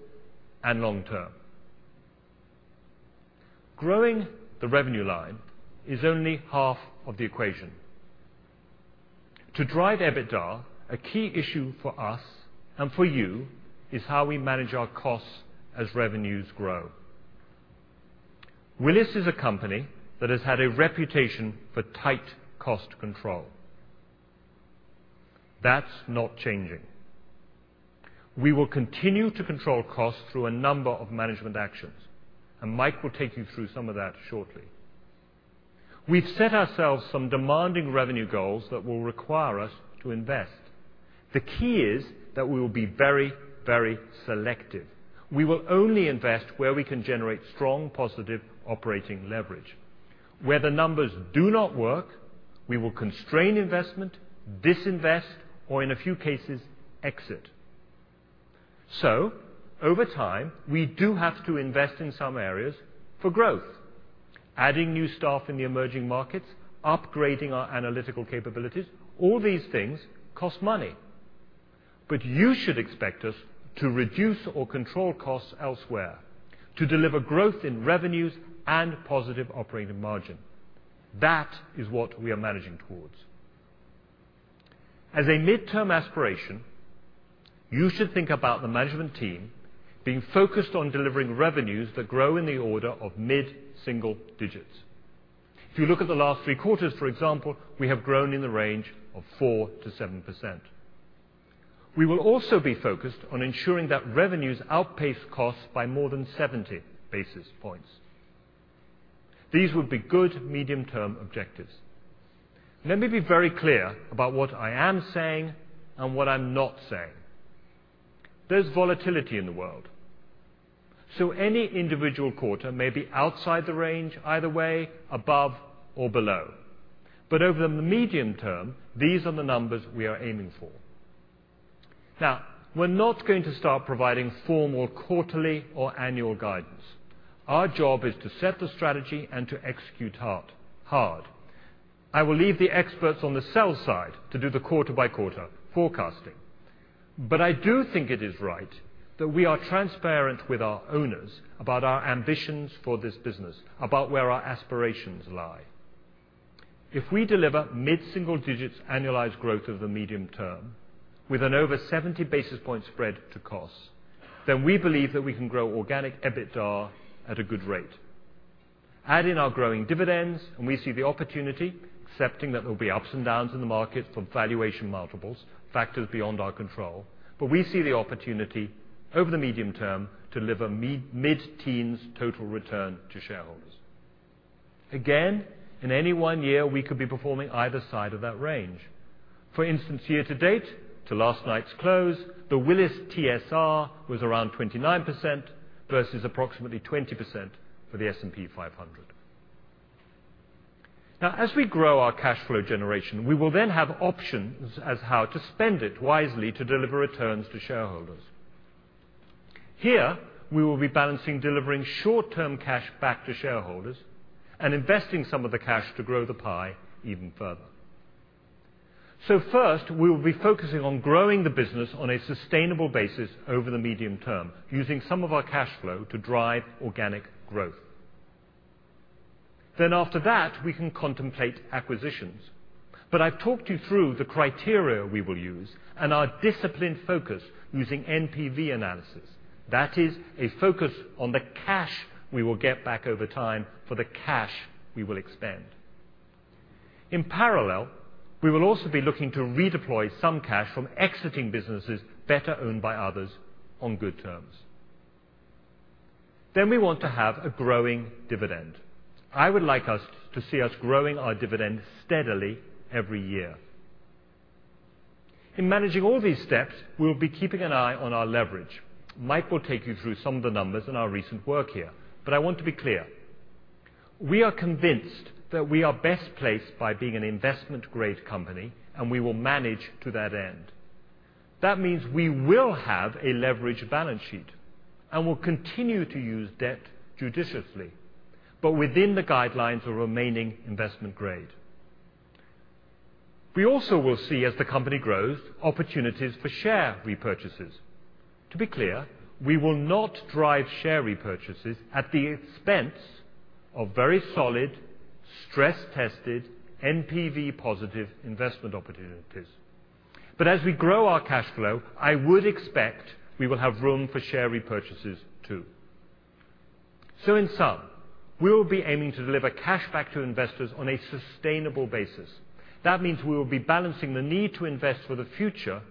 and long term. Growing the revenue line is only half of the equation. To drive EBITDA, a key issue for us and for you is how we manage our costs as revenues grow. Willis is a company that has had a reputation for tight cost control. That's not changing. We will continue to control costs through a number of management actions, and Mike will take you through some of that shortly. We've set ourselves some demanding revenue goals that will require us to invest. The key is that we will be very, very selective. We will only invest where we can generate strong positive operating leverage. Where the numbers do not work, we will constrain investment, disinvest, or in a few cases, exit. Over time, we do have to invest in some areas for growth. Adding new staff in the emerging markets, upgrading our analytical capabilities, all these things cost money. You should expect us to reduce or control costs elsewhere to deliver growth in revenues and positive operating margin. That is what we are managing towards. As a midterm aspiration, you should think about the management team being focused on delivering revenues that grow in the order of mid-single digits. If you look at the last three quarters, for example, we have grown in the range of 4%-7%. We will also be focused on ensuring that revenues outpace costs by more than 70 basis points. These would be good medium-term objectives. Let me be very clear about what I am saying and what I'm not saying. There's volatility in the world. Any individual quarter may be outside the range either way, above or below. Over the medium term, these are the numbers we are aiming for. We're not going to start providing formal quarterly or annual guidance. Our job is to set the strategy and to execute hard. I will leave the experts on the sell side to do the quarter-by-quarter forecasting. I do think it is right that we are transparent with our owners about our ambitions for this business, about where our aspirations lie. If we deliver mid-single digits annualized growth over the medium term with an over 70 basis point spread to costs, then we believe that we can grow organic EBITDA at a good rate. Add in our growing dividends and we see the opportunity, accepting that there will be ups and downs in the market from valuation multiples, factors beyond our control. We see the opportunity over the medium term to deliver mid-teens total return to shareholders. Again, in any one year, we could be performing either side of that range. For instance, year-to-date, to last night's close, the Willis TSR was around 29% versus approximately 20% for the S&P 500. As we grow our cash flow generation, we will then have options as how to spend it wisely to deliver returns to shareholders. Here, we will be balancing delivering short-term cash back to shareholders and investing some of the cash to grow the pie even further. First, we will be focusing on growing the business on a sustainable basis over the medium term, using some of our cash flow to drive organic growth. After that, we can contemplate acquisitions. I've talked you through the criteria we will use and our disciplined focus using NPV analysis. That is a focus on the cash we will get back over time for the cash we will expend. In parallel, we will also be looking to redeploy some cash from exiting businesses better owned by others on good terms. We want to have a growing dividend. I would like us to see us growing our dividend steadily every year. In managing all these steps, we will be keeping an eye on our leverage. Mike will take you through some of the numbers in our recent work here, but I want to be clear. We are convinced that we are best placed by being an investment-grade company, and we will manage to that end. That means we will have a leveraged balance sheet and will continue to use debt judiciously, but within the guidelines of remaining investment grade. We also will see, as the company grows, opportunities for share repurchases. To be clear, we will not drive share repurchases at the expense of very solid, stress-tested, NPV-positive investment opportunities. As we grow our cash flow, I would expect we will have room for share repurchases, too. In sum, we will be aiming to deliver cash back to investors on a sustainable basis. That means we will be balancing the need to invest for the future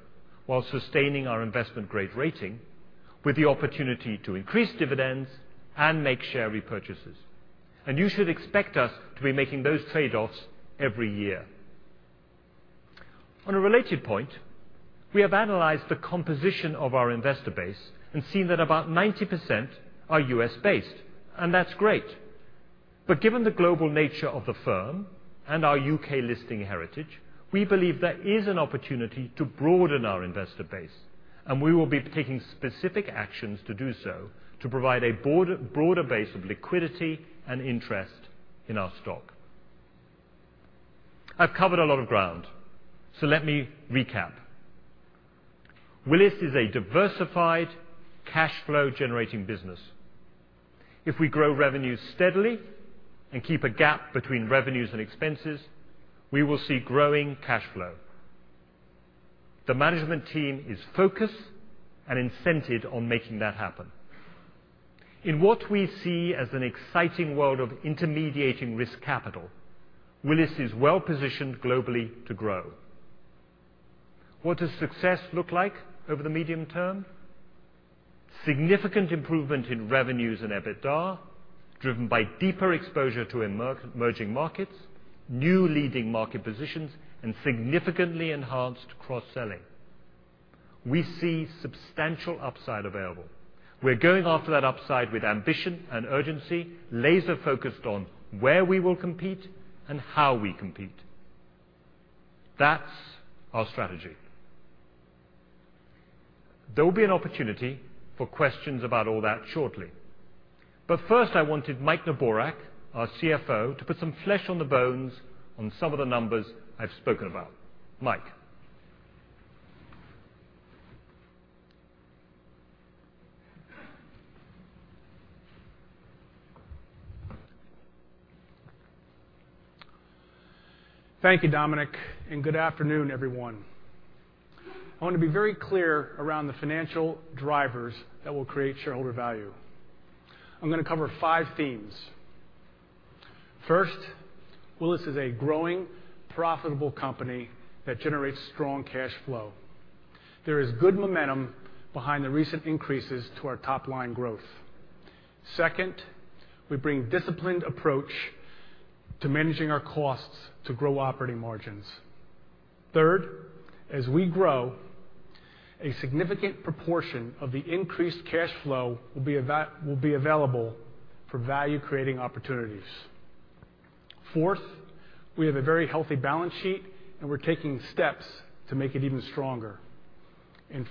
while sustaining our investment-grade rating with the opportunity to increase dividends and make share repurchases. You should expect us to be making those trade-offs every year. On a related point, we have analyzed the composition of our investor base and seen that about 90% are U.S.-based, and that's great. Given the global nature of the firm and our U.K. listing heritage, we believe there is an opportunity to broaden our investor base, and we will be taking specific actions to do so to provide a broader base of liquidity and interest in our stock. I've covered a lot of ground, so let me recap. Willis is a diversified cash flow generating business. If we grow revenues steadily and keep a gap between revenues and expenses, we will see growing cash flow. The management team is focused and incented on making that happen. In what we see as an exciting world of intermediating risk capital, Willis is well-positioned globally to grow. What does success look like over the medium term? Significant improvement in revenues and EBITDA, driven by deeper exposure to emerging markets, new leading market positions, and significantly enhanced cross-selling. We see substantial upside available. We're going after that upside with ambition and urgency, laser focused on where we will compete and how we compete. That's our strategy. There will be an opportunity for questions about all that shortly. First, I wanted Mike Noonan, our CFO, to put some flesh on the bones on some of the numbers I've spoken about. Mike. Thank you, Dominic. Good afternoon, everyone. I want to be very clear around the financial drivers that will create shareholder value. I'm going to cover five themes. First, Willis is a growing, profitable company that generates strong cash flow. There is good momentum behind the recent increases to our top line growth. Second, we bring disciplined approach to managing our costs to grow operating margins. Third, as we grow, a significant proportion of the increased cash flow will be available for value creating opportunities. Fourth, we have a very healthy balance sheet, and we're taking steps to make it even stronger.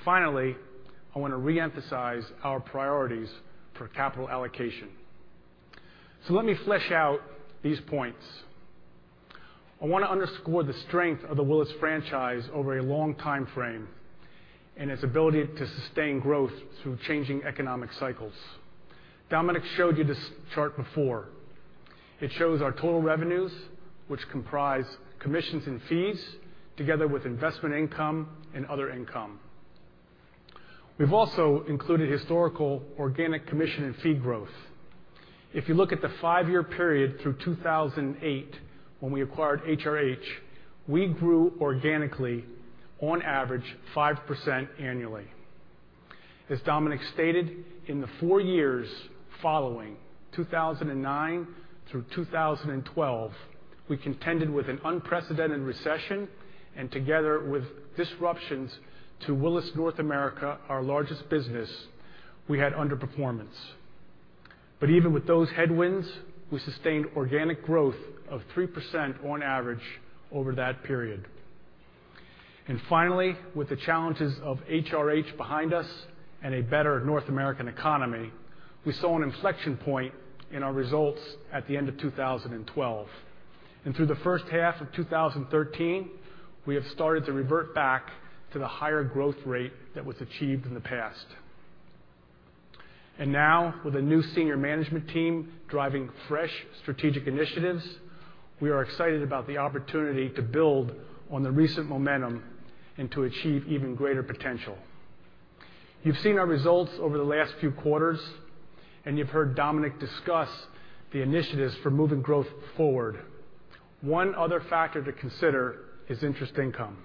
Finally, I want to reemphasize our priorities for capital allocation. So let me flesh out these points. I want to underscore the strength of the Willis franchise over a long time frame and its ability to sustain growth through changing economic cycles. Dominic showed you this chart before. It shows our total revenues, which comprise commissions and fees together with investment income and other income. We've also included historical organic commission and fee growth. If you look at the 5-year period through 2008, when we acquired HRH, we grew organically, on average, 5% annually. As Dominic stated, in the 4 years following 2009 through 2012, we contended with an unprecedented recession and together with disruptions to Willis North America, our largest business, we had underperformance. Even with those headwinds, we sustained organic growth of 3% on average over that period. Finally, with the challenges of HRH behind us and a better North American economy, we saw an inflection point in our results at the end of 2012. Through the first half of 2013, we have started to revert back to the higher growth rate that was achieved in the past. Now, with a new senior management team driving fresh strategic initiatives, we are excited about the opportunity to build on the recent momentum and to achieve even greater potential. You've seen our results over the last few quarters, and you've heard Dominic discuss the initiatives for moving growth forward. One other factor to consider is interest income.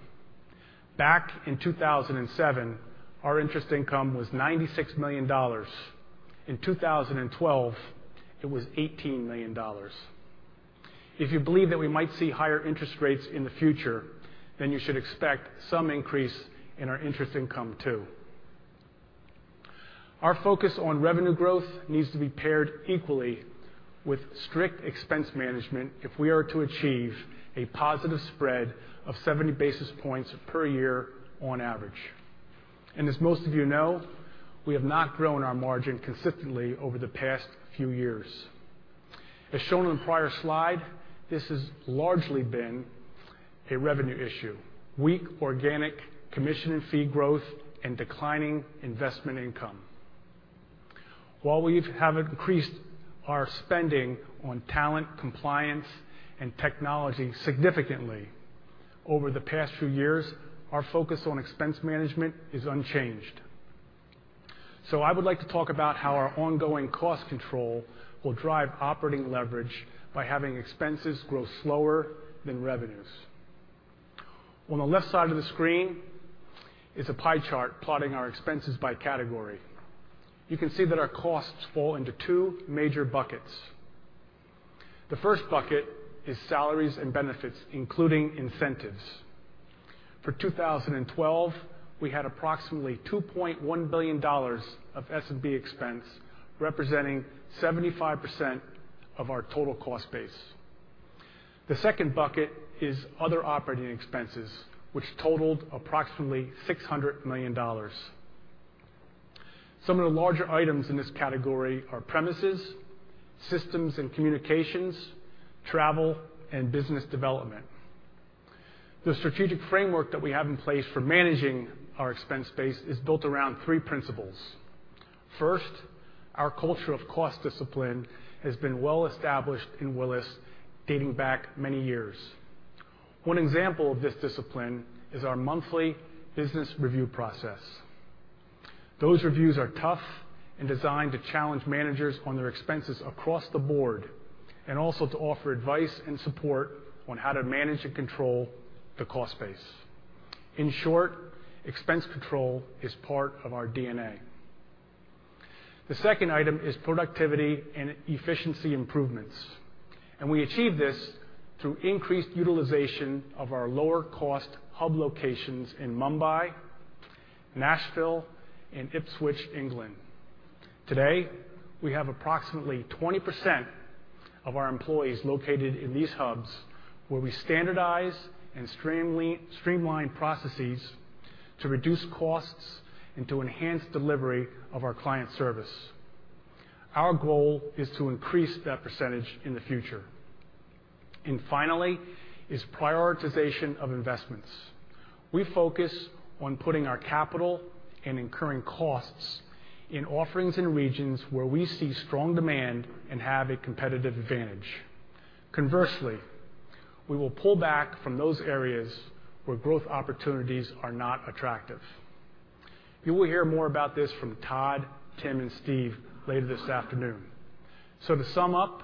Back in 2007, our interest income was $96 million. In 2012, it was $18 million. If you believe that we might see higher interest rates in the future, you should expect some increase in our interest income too. Our focus on revenue growth needs to be paired equally with strict expense management if we are to achieve a positive spread of 70 basis points per year on average. As most of you know, we have not grown our margin consistently over the past few years. As shown on the prior slide, this has largely been a revenue issue, weak organic commission and fee growth and declining investment income. While we have increased our spending on talent, compliance, and technology significantly over the past few years, our focus on expense management is unchanged. I would like to talk about how our ongoing cost control will drive operating leverage by having expenses grow slower than revenues. On the left side of the screen is a pie chart plotting our expenses by category. You can see that our costs fall into two major buckets. The first bucket is Salaries and Benefits, including incentives. For 2012, we had approximately $2.1 billion of S&B expense, representing 75% of our total cost base. The second bucket is other operating expenses, which totaled approximately $600 million. Some of the larger items in this category are premises, systems and communications, travel, and business development. The strategic framework that we have in place for managing our expense base is built around three principles. First, our culture of cost discipline has been well-established in Willis dating back many years. One example of this discipline is our monthly business review process. Those reviews are tough and designed to challenge managers on their expenses across the board, and also to offer advice and support on how to manage and control the cost base. In short, expense control is part of our DNA. The second item is productivity and efficiency improvements, and we achieve this through increased utilization of our lower-cost hub locations in Mumbai, Nashville, and Ipswich, England. Today, we have approximately 20% of our employees located in these hubs, where we standardize and streamline processes to reduce costs and to enhance delivery of our client service. Our goal is to increase that percentage in the future. Finally is prioritization of investments. We focus on putting our capital and incurring costs in offerings in regions where we see strong demand and have a competitive advantage. Conversely, we will pull back from those areas where growth opportunities are not attractive. You will hear more about this from Todd, Tim, and Steve later this afternoon. To sum up,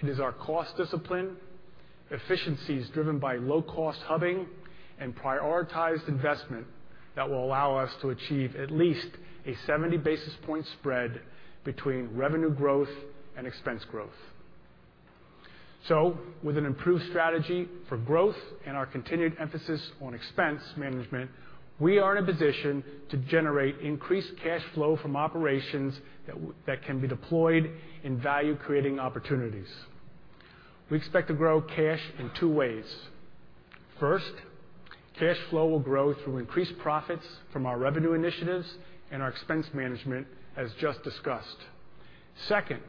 it is our cost discipline, efficiencies driven by low-cost hubbing, and prioritized investment that will allow us to achieve at least a 70-basis-point spread between revenue growth and expense growth. With an improved strategy for growth and our continued emphasis on expense management, we are in a position to generate increased cash flow from operations that can be deployed in value-creating opportunities. We expect to grow cash in two ways. First, cash flow will grow through increased profits from our revenue initiatives and our expense management, as just discussed. Second,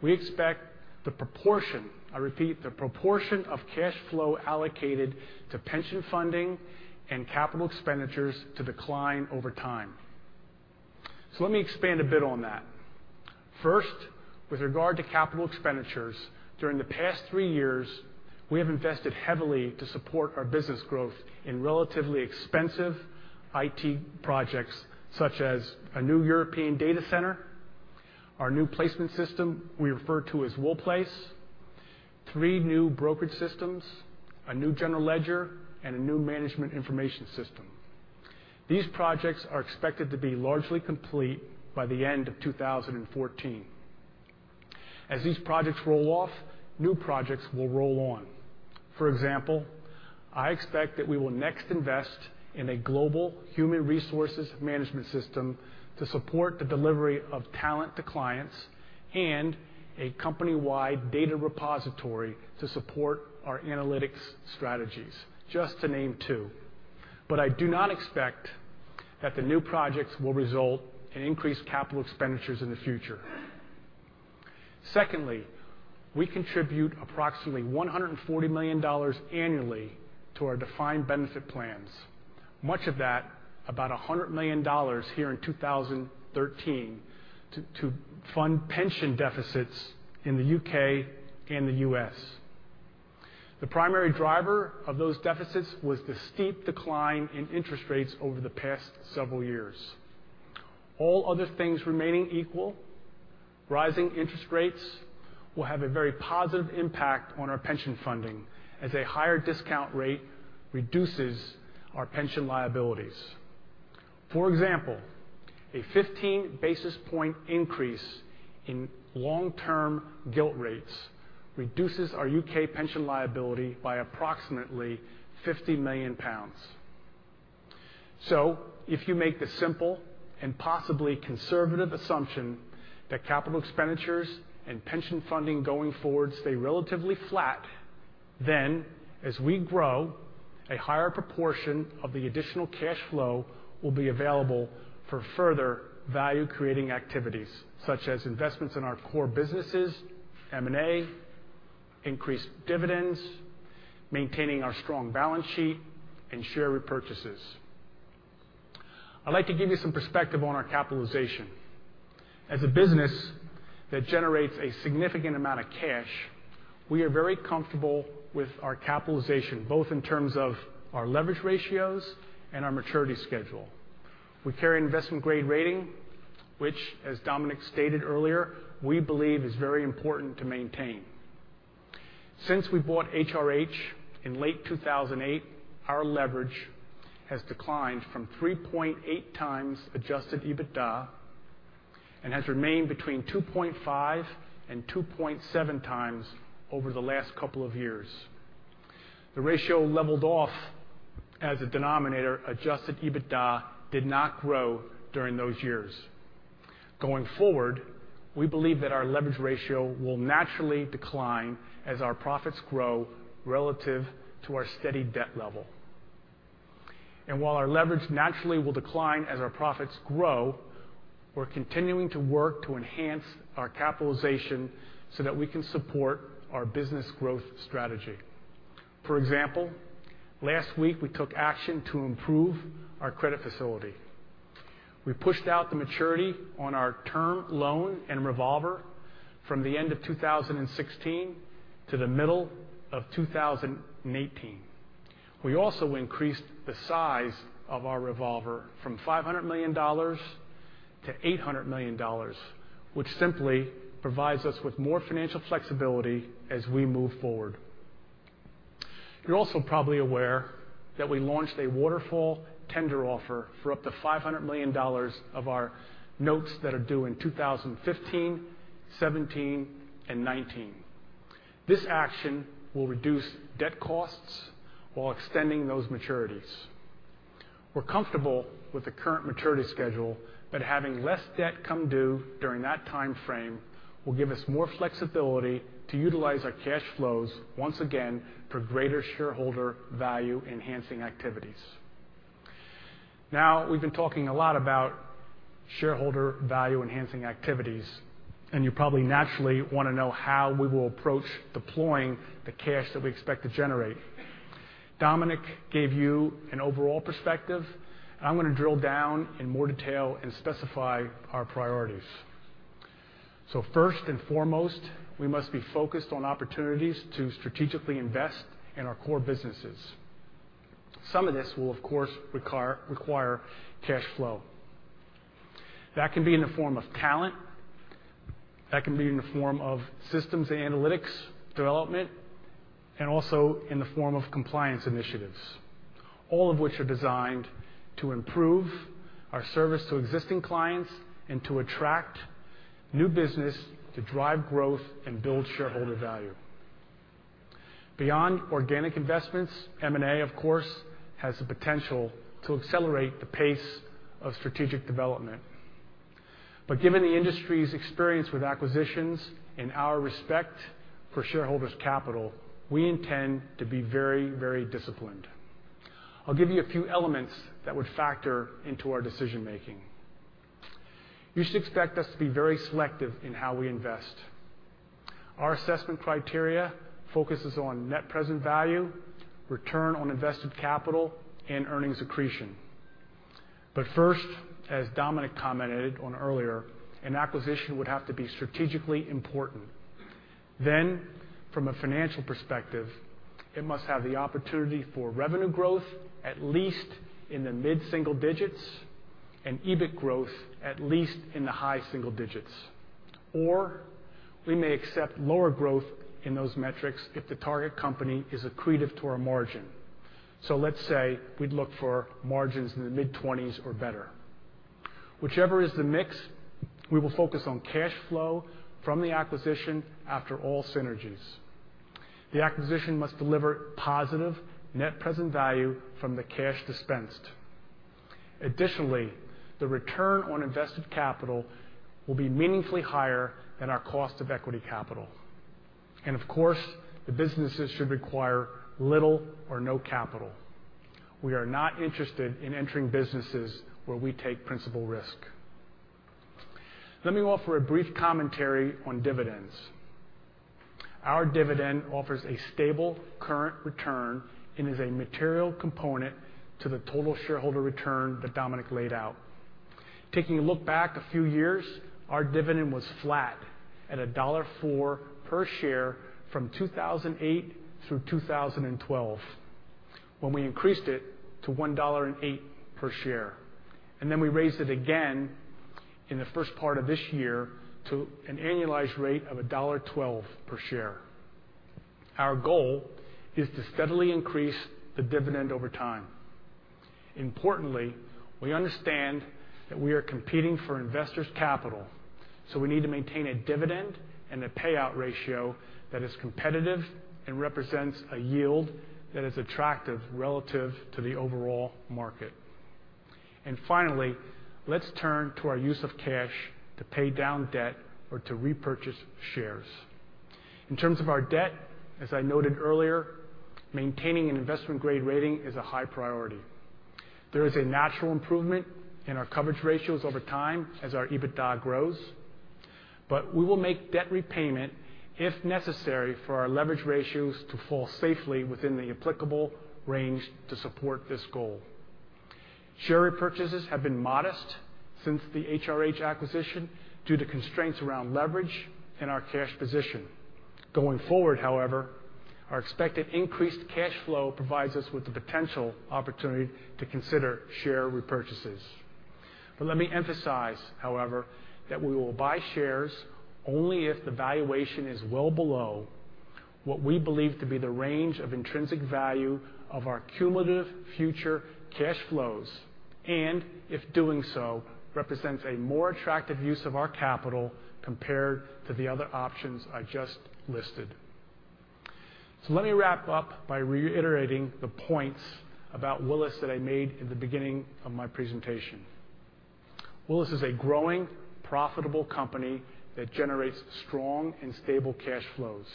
we expect the proportion, I repeat, the proportion of cash flow allocated to pension funding and capital expenditures to decline over time. Let me expand a bit on that First, with regard to capital expenditures, during the past three years, we have invested heavily to support our business growth in relatively expensive IT projects, such as a new European data center, our new placement system we refer to as WILLPlace, three new brokerage systems, a new general ledger, and a new management information system. These projects are expected to be largely complete by the end of 2014. As these projects roll off, new projects will roll on. For example, I expect that we will next invest in a global human resources management system to support the delivery of talent to clients and a company-wide data repository to support our analytics strategies, just to name two. I do not expect that the new projects will result in increased capital expenditures in the future. Secondly, we contribute approximately $140 million annually to our defined benefit plans, much of that, about $100 million here in 2013, to fund pension deficits in the U.K. and the U.S. The primary driver of those deficits was the steep decline in interest rates over the past several years. All other things remaining equal, rising interest rates will have a very positive impact on our pension funding as a higher discount rate reduces our pension liabilities. For example, a 15 basis point increase in long-term gilt rates reduces our U.K. pension liability by approximately 50 million pounds. If you make the simple and possibly conservative assumption that capital expenditures and pension funding going forward stay relatively flat, then as we grow, a higher proportion of the additional cash flow will be available for further value-creating activities, such as investments in our core businesses, M&A, increased dividends, maintaining our strong balance sheet, and share repurchases. I'd like to give you some perspective on our capitalization. As a business that generates a significant amount of cash, we are very comfortable with our capitalization, both in terms of our leverage ratios and our maturity schedule. We carry an investment-grade rating, which, as Dominic stated earlier, we believe is very important to maintain. Since we bought HRH in late 2008, our leverage has declined from 3.8 times adjusted EBITDA and has remained between 2.5 and 2.7 times over the last couple of years. The ratio leveled off as the denominator adjusted EBITDA did not grow during those years. Going forward, we believe that our leverage ratio will naturally decline as our profits grow relative to our steady debt level. While our leverage naturally will decline as our profits grow, we're continuing to work to enhance our capitalization so that we can support our business growth strategy. For example, last week, we took action to improve our credit facility. We pushed out the maturity on our term loan and revolver from the end of 2016 to the middle of 2018. We also increased the size of our revolver from $500 million to $800 million, which simply provides us with more financial flexibility as we move forward. You're also probably aware that we launched a waterfall tender offer for up to $500 million of our notes that are due in 2015, 2017, and 2019. This action will reduce debt costs while extending those maturities. We're comfortable with the current maturity schedule, but having less debt come due during that time frame will give us more flexibility to utilize our cash flows once again for greater shareholder value-enhancing activities. Now, we've been talking a lot about shareholder value-enhancing activities, and you probably naturally want to know how we will approach deploying the cash that we expect to generate. Dominic gave you an overall perspective. I'm going to drill down in more detail and specify our priorities. First and foremost, we must be focused on opportunities to strategically invest in our core businesses. Some of this will, of course, require cash flow. That can be in the form of talent, that can be in the form of systems analytics development, and also in the form of compliance initiatives, all of which are designed to improve our service to existing clients and to attract new business to drive growth and build shareholder value. Beyond organic investments, M&A, of course, has the potential to accelerate the pace of strategic development. Given the industry's experience with acquisitions and our respect for shareholders' capital, we intend to be very disciplined. I'll give you a few elements that would factor into our decision-making. You should expect us to be very selective in how we invest Our assessment criteria focuses on net present value, return on invested capital, and earnings accretion. First, as Dominic commented on earlier, an acquisition would have to be strategically important. From a financial perspective, it must have the opportunity for revenue growth, at least in the mid-single digits, and EBIT growth at least in the high single digits. We may accept lower growth in those metrics if the target company is accretive to our margin. Let's say we'd look for margins in the mid-20s or better. Whichever is the mix, we will focus on cash flow from the acquisition after all synergies. The acquisition must deliver positive net present value from the cash dispensed. Additionally, the return on invested capital will be meaningfully higher than our cost of equity capital. Of course, the businesses should require little or no capital. We are not interested in entering businesses where we take principal risk. Let me offer a brief commentary on dividends. Our dividend offers a stable current return and is a material component to the total shareholder return that Dominic laid out. Taking a look back a few years, our dividend was flat at $1.04 per share from 2008 through 2012, when we increased it to $1.08 per share. We raised it again in the first part of this year to an annualized rate of $1.12 per share. Our goal is to steadily increase the dividend over time. Importantly, we understand that we are competing for investors' capital, so we need to maintain a dividend and a payout ratio that is competitive and represents a yield that is attractive relative to the overall market. Finally, let's turn to our use of cash to pay down debt or to repurchase shares. In terms of our debt, as I noted earlier, maintaining an investment-grade rating is a high priority. There is a natural improvement in our coverage ratios over time as our EBITDA grows. We will make debt repayment if necessary for our leverage ratios to fall safely within the applicable range to support this goal. Share repurchases have been modest since the HRH acquisition due to constraints around leverage and our cash position. Going forward, however, our expected increased cash flow provides us with the potential opportunity to consider share repurchases. Let me emphasize, however, that we will buy shares only if the valuation is well below what we believe to be the range of intrinsic value of our cumulative future cash flows, and if doing so represents a more attractive use of our capital compared to the other options I just listed. Let me wrap up by reiterating the points about Willis that I made at the beginning of my presentation. Willis is a growing, profitable company that generates strong and stable cash flows.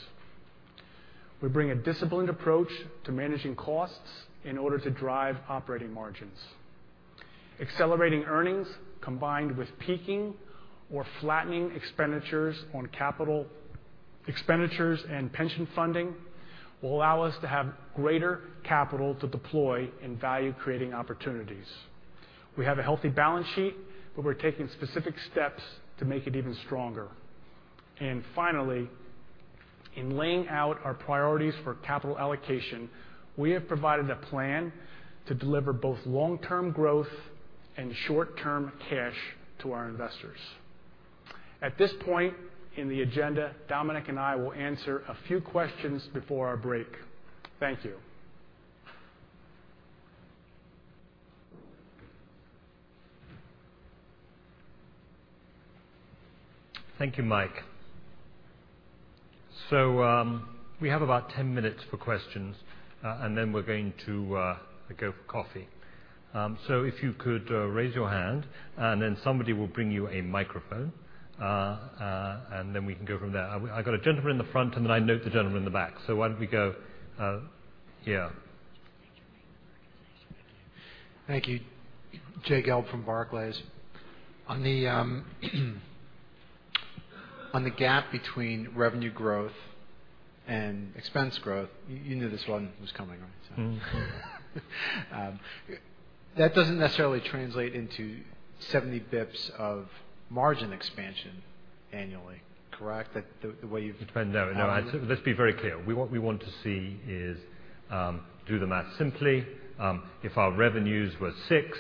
We bring a disciplined approach to managing costs in order to drive operating margins. Accelerating earnings, combined with peaking or flattening expenditures on capital expenditures and pension funding, will allow us to have greater capital to deploy in value-creating opportunities. We have a healthy balance sheet, but we're taking specific steps to make it even stronger. Finally, in laying out our priorities for capital allocation, we have provided a plan to deliver both long-term growth and short-term cash to our investors. At this point in the agenda, Dominic and I will answer a few questions before our break. Thank you. Thank you, Mike. We have about 10 minutes for questions, and then we're going to go for coffee. If you could raise your hand, and then somebody will bring you a microphone, and then we can go from there. I've got a gentleman in the front, and then I note the gentleman in the back. Why don't we go here? Thank you. Jay Gelb from Barclays. On the gap between revenue growth and expense growth, you knew this one was coming, right? That doesn't necessarily translate into 70 basis points of margin expansion annually, correct? No. Let's be very clear. What we want to see is, do the math simply. If our revenues were 6%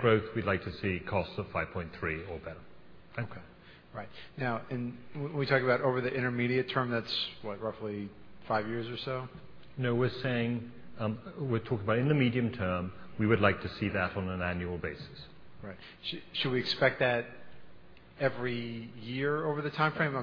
growth, we'd like to see costs of 5.3% or better. Okay. Right. Now, when we talk about over the intermediate term, that's what, roughly five years or so? No, we're talking about in the medium term, we would like to see that on an annual basis. Right. Should we expect that every year over the timeframe?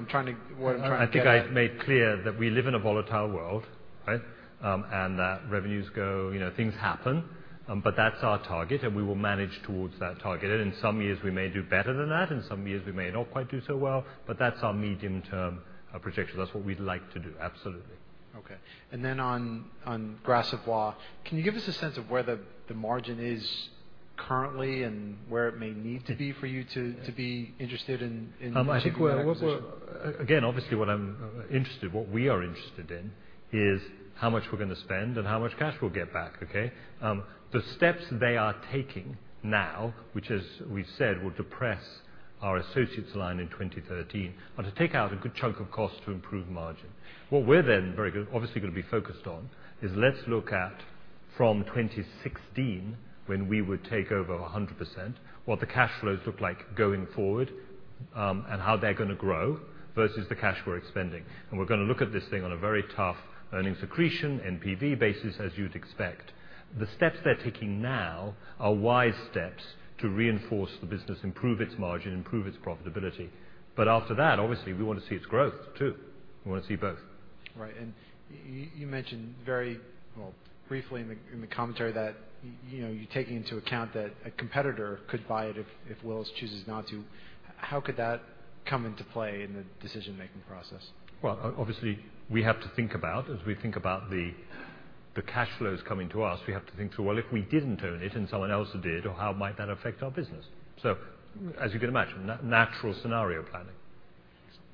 I think I made clear that we live in a volatile world, right? That revenues go, things happen. That's our target, and we will manage towards that target. In some years, we may do better than that. In some years, we may not quite do so well. That's our medium-term projection. That's what we'd like to do. Absolutely. Okay. On Gras Savoye, can you give us a sense of where the margin is currently and where it may need to be for you to be interested in that acquisition. Again, obviously, what I'm interested, what we are interested in is how much we're going to spend and how much cash we'll get back, okay? The steps they are taking now, which as we said, will depress our associates line in 2013, are to take out a good chunk of cost to improve margin. What we're then obviously going to be focused on is let's look at from 2016, when we would take over 100%, what the cash flows look like going forward, and how they're going to grow versus the cash we're expending. We're going to look at this thing on a very tough earnings accretion NPV basis, as you'd expect. The steps they're taking now are wise steps to reinforce the business, improve its margin, improve its profitability. After that, obviously, we want to see its growth, too. We want to see both. Right. You mentioned very briefly in the commentary that you're taking into account that a competitor could buy it if Willis chooses not to. How could that come into play in the decision-making process? Obviously we have to think about, as we think about the cash flows coming to us, we have to think through, well, if we didn't own it and someone else did, how might that affect our business? As you can imagine, natural scenario planning.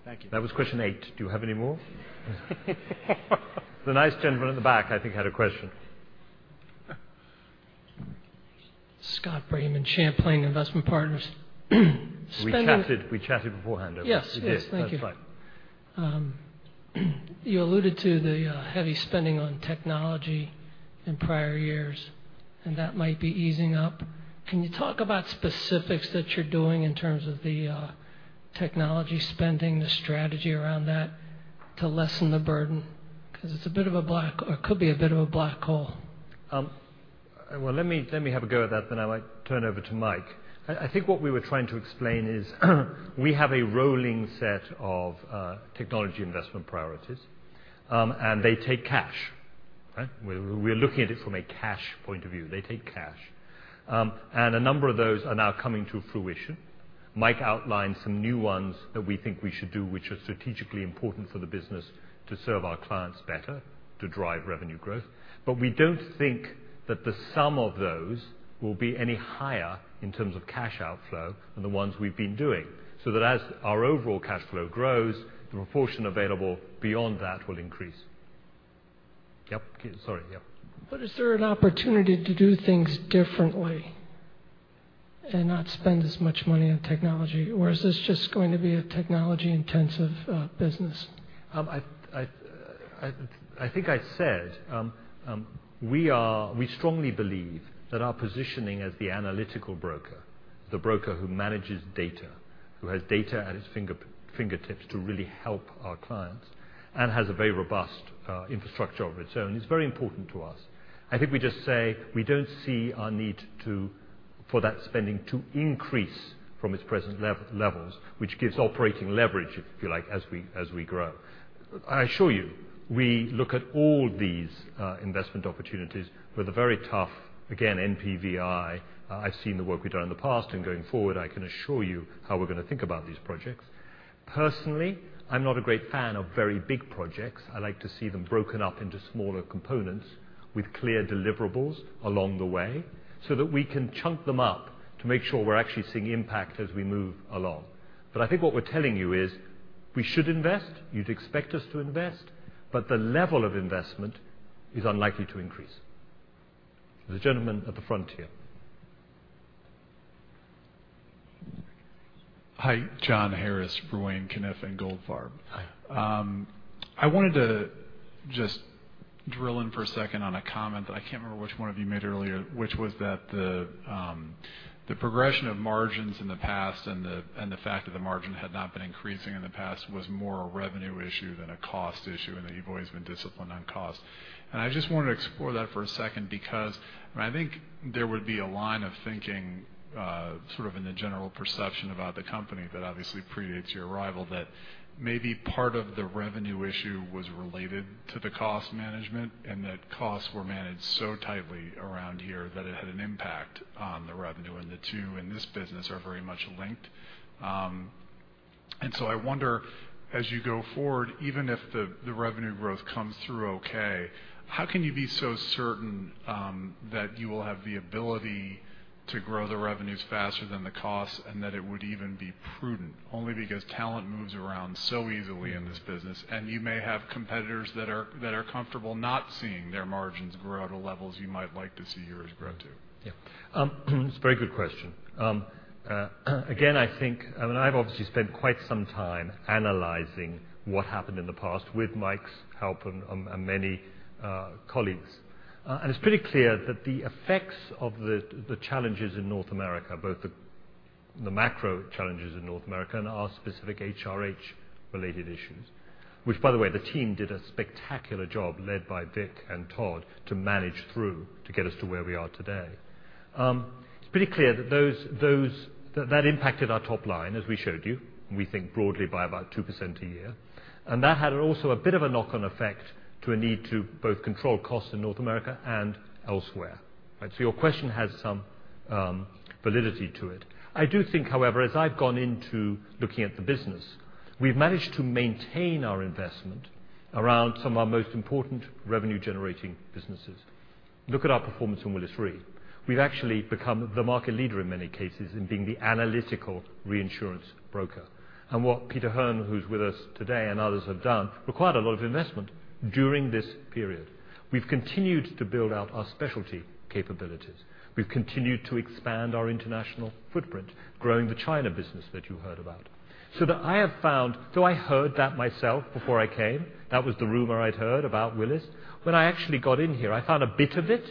Thank you. That was question eight. Do you have any more? The nice gentleman in the back, I think, had a question. Scott Braman, Champlain Investment Partners. We chatted beforehand. Yes. Yes. Thank you. That's fine. You alluded to the heavy spending on technology in prior years, and that might be easing up. Can you talk about specifics that you're doing in terms of the technology spending, the strategy around that to lessen the burden? Because it could be a bit of a black hole. Let me have a go at that, then I might turn over to Mike. I think what we were trying to explain is we have a rolling set of technology investment priorities. They take cash. We're looking at it from a cash point of view. They take cash. A number of those are now coming to fruition. Mike outlined some new ones that we think we should do, which are strategically important for the business to serve our clients better, to drive revenue growth. We don't think that the sum of those will be any higher in terms of cash outflow than the ones we've been doing, so that as our overall cash flow grows, the proportion available beyond that will increase. Yep. Sorry. Yep. Is there an opportunity to do things differently and not spend as much money on technology, or is this just going to be a technology-intensive business? I think I said, we strongly believe that our positioning as the analytical broker, the broker who manages data, who has data at his fingertips to really help our clients and has a very robust infrastructure of its own, is very important to us. I think we just say we don't see a need for that spending to increase from its present levels, which gives operating leverage, if you like, as we grow. I assure you, we look at all these investment opportunities with a very tough, again, NPV. I've seen the work we've done in the past and going forward, I can assure you how we're going to think about these projects. Personally, I'm not a great fan of very big projects. I like to see them broken up into smaller components with clear deliverables along the way so that we can chunk them up to make sure we're actually seeing impact as we move along. I think what we're telling you is we should invest. You'd expect us to invest, the level of investment is unlikely to increase. The gentleman at the front here. Hi, John Harris, Ruane, Cunniff & Goldfarb. Hi. I wanted to just drill in for a second on a comment that I can't remember which one of you made earlier, which was that the progression of margins in the past and the fact that the margin had not been increasing in the past was more a revenue issue than a cost issue, and that you've always been disciplined on cost. I just wanted to explore that for a second because I think there would be a line of thinking, sort of in the general perception about the company that obviously predates your arrival, that maybe part of the revenue issue was related to the cost management, and that costs were managed so tightly around here that it had an impact on the revenue, and the two in this business are very much linked. I wonder, as you go forward, even if the revenue growth comes through okay, how can you be so certain that you will have the ability to grow the revenues faster than the costs and that it would even be prudent, only because talent moves around so easily in this business, and you may have competitors that are comfortable not seeing their margins grow at the levels you might like to see yours grow to? It's a very good question. I've obviously spent quite some time analyzing what happened in the past with Mike's help and many colleagues. It's pretty clear that the effects of the challenges in North America, both the macro challenges in North America and our specific HRH related issues, which by the way, the team did a spectacular job led by Dick and Todd to manage through to get us to where we are today. It's pretty clear that impacted our top line, as we showed you, we think broadly by about 2% a year. That had also a bit of a knock-on effect to a need to both control costs in North America and elsewhere. Your question has some validity to it. I do think, however, as I've gone into looking at the business, we've managed to maintain our investment around some of our most important revenue-generating businesses. Look at our performance in Willis Re. We've actually become the market leader in many cases in being the analytical reinsurance broker. What Peter Hearn, who's with us today, and others have done, required a lot of investment during this period. We've continued to build out our specialty capabilities. We've continued to expand our international footprint, growing the China business that you heard about. That I have found, though I heard that myself before I came, that was the rumor I'd heard about Willis. When I actually got in here, I found a bit of it,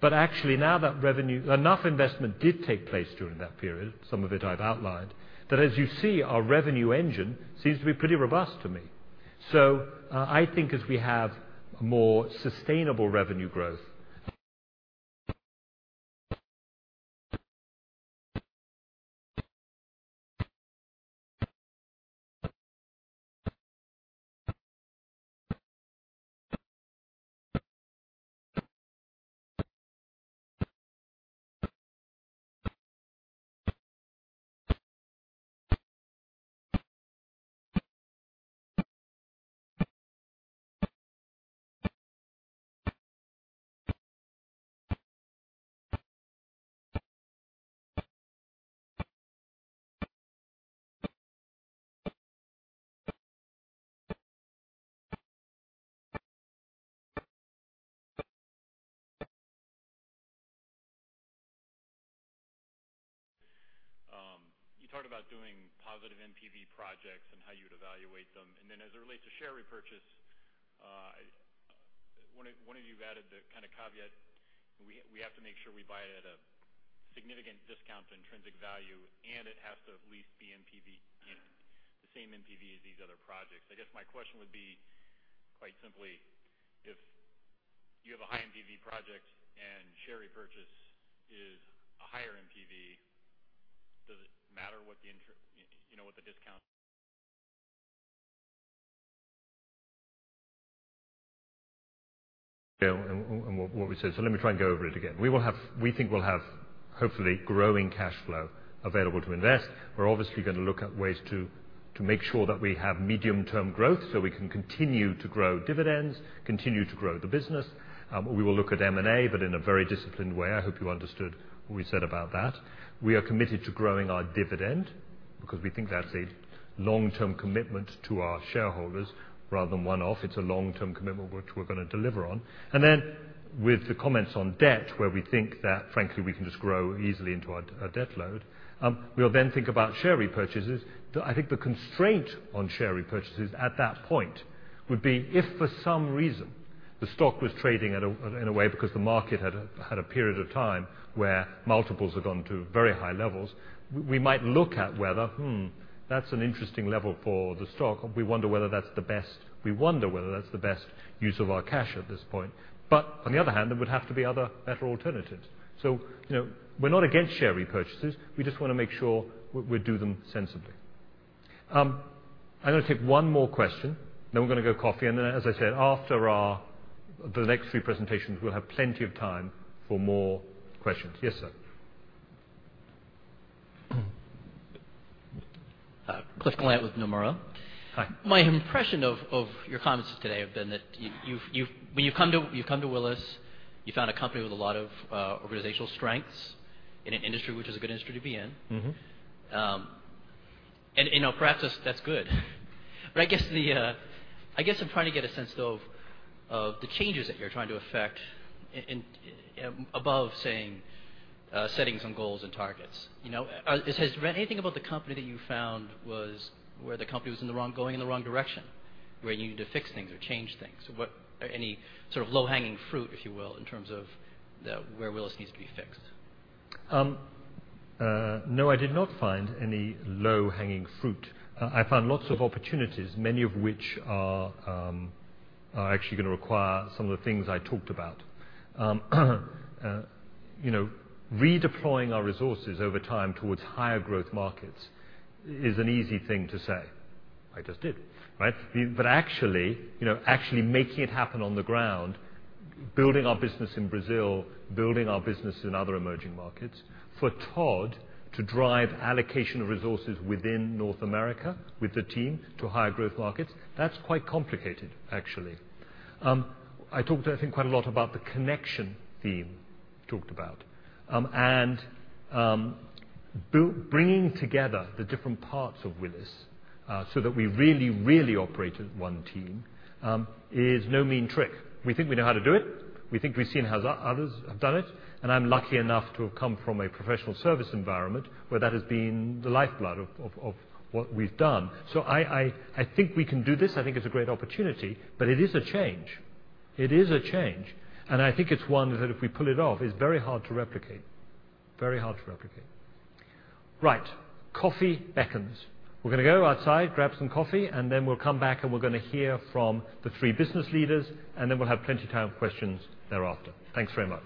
but actually now that enough investment did take place during that period, some of it I've outlined, that as you see, our revenue engine seems to be pretty robust to me. I think as we have more sustainable revenue growth- You talked about doing positive NPV projects and how you would evaluate them. Then as it relates to share repurchase, one of you added the kind of caveat, we have to make sure we buy it at a significant discount to intrinsic value, and it has to at least be NPV in the same NPV as these other projects. I guess my question would be, quite simply, if you have a high NPV project and share repurchase is a higher NPV, does it matter what the discount- What we said. Let me try and go over it again. We think we'll have, hopefully, growing cash flow available to invest. We're obviously going to look at ways to make sure that we have medium-term growth so we can continue to grow dividends, continue to grow the business. We will look at M&A, but in a very disciplined way. I hope you understood what we said about that. We are committed to growing our dividend because we think that's a long-term commitment to our shareholders rather than one-off. It's a long-term commitment which we're going to deliver on. With the comments on debt, where we think that frankly, we can just grow easily into our debt load. We'll think about share repurchases. I think the constraint on share repurchases at that point would be if for some reason the stock was trading in a way because the market had a period of time where multiples had gone to very high levels, we might look at whether, hmm, that's an interesting level for the stock. We wonder whether that's the best use of our cash at this point. On the other hand, there would have to be other better alternatives. We're not against share repurchases, we just want to make sure we do them sensibly. I'm going to take one more question, then we're going to go coffee, and then, as I said, after the next three presentations, we'll have plenty of time for more questions. Yes, sir. Cliff Gallant with Nomura. Hi. My impression of your comments today have been that when you've come to Willis, you found a company with a lot of organizational strengths in an industry which is a good industry to be in. Perhaps that's good. I guess I'm trying to get a sense, though, of the changes that you're trying to affect above, saying settings and goals and targets. Has anything about the company that you found was where the company was going in the wrong direction, where you need to fix things or change things? Any sort of low-hanging fruit, if you will, in terms of where Willis needs to be fixed? No, I did not find any low-hanging fruit. I found lots of opportunities, many of which are actually going to require some of the things I talked about. Redeploying our resources over time towards higher growth markets is an easy thing to say. I just did. Right? Actually making it happen on the ground, building our business in Brazil, building our business in other emerging markets. For Todd to drive allocation of resources within Willis North America with the team to higher growth markets, that's quite complicated actually. I talked, I think, quite a lot about the connection theme talked about. Bringing together the different parts of Willis, so that we really, really operate as one team, is no mean trick. We think we know how to do it. We think we've seen how others have done it. I'm lucky enough to have come from a professional service environment where that has been the lifeblood of what we've done. I think we can do this. I think it's a great opportunity, but it is a change. It is a change. I think it's one that if we pull it off, is very hard to replicate. Very hard to replicate. Right. Coffee beckons. We're going to go outside, grab some coffee, then we'll come back and we're going to hear from the three business leaders, then we'll have plenty of time for questions thereafter. Thanks very much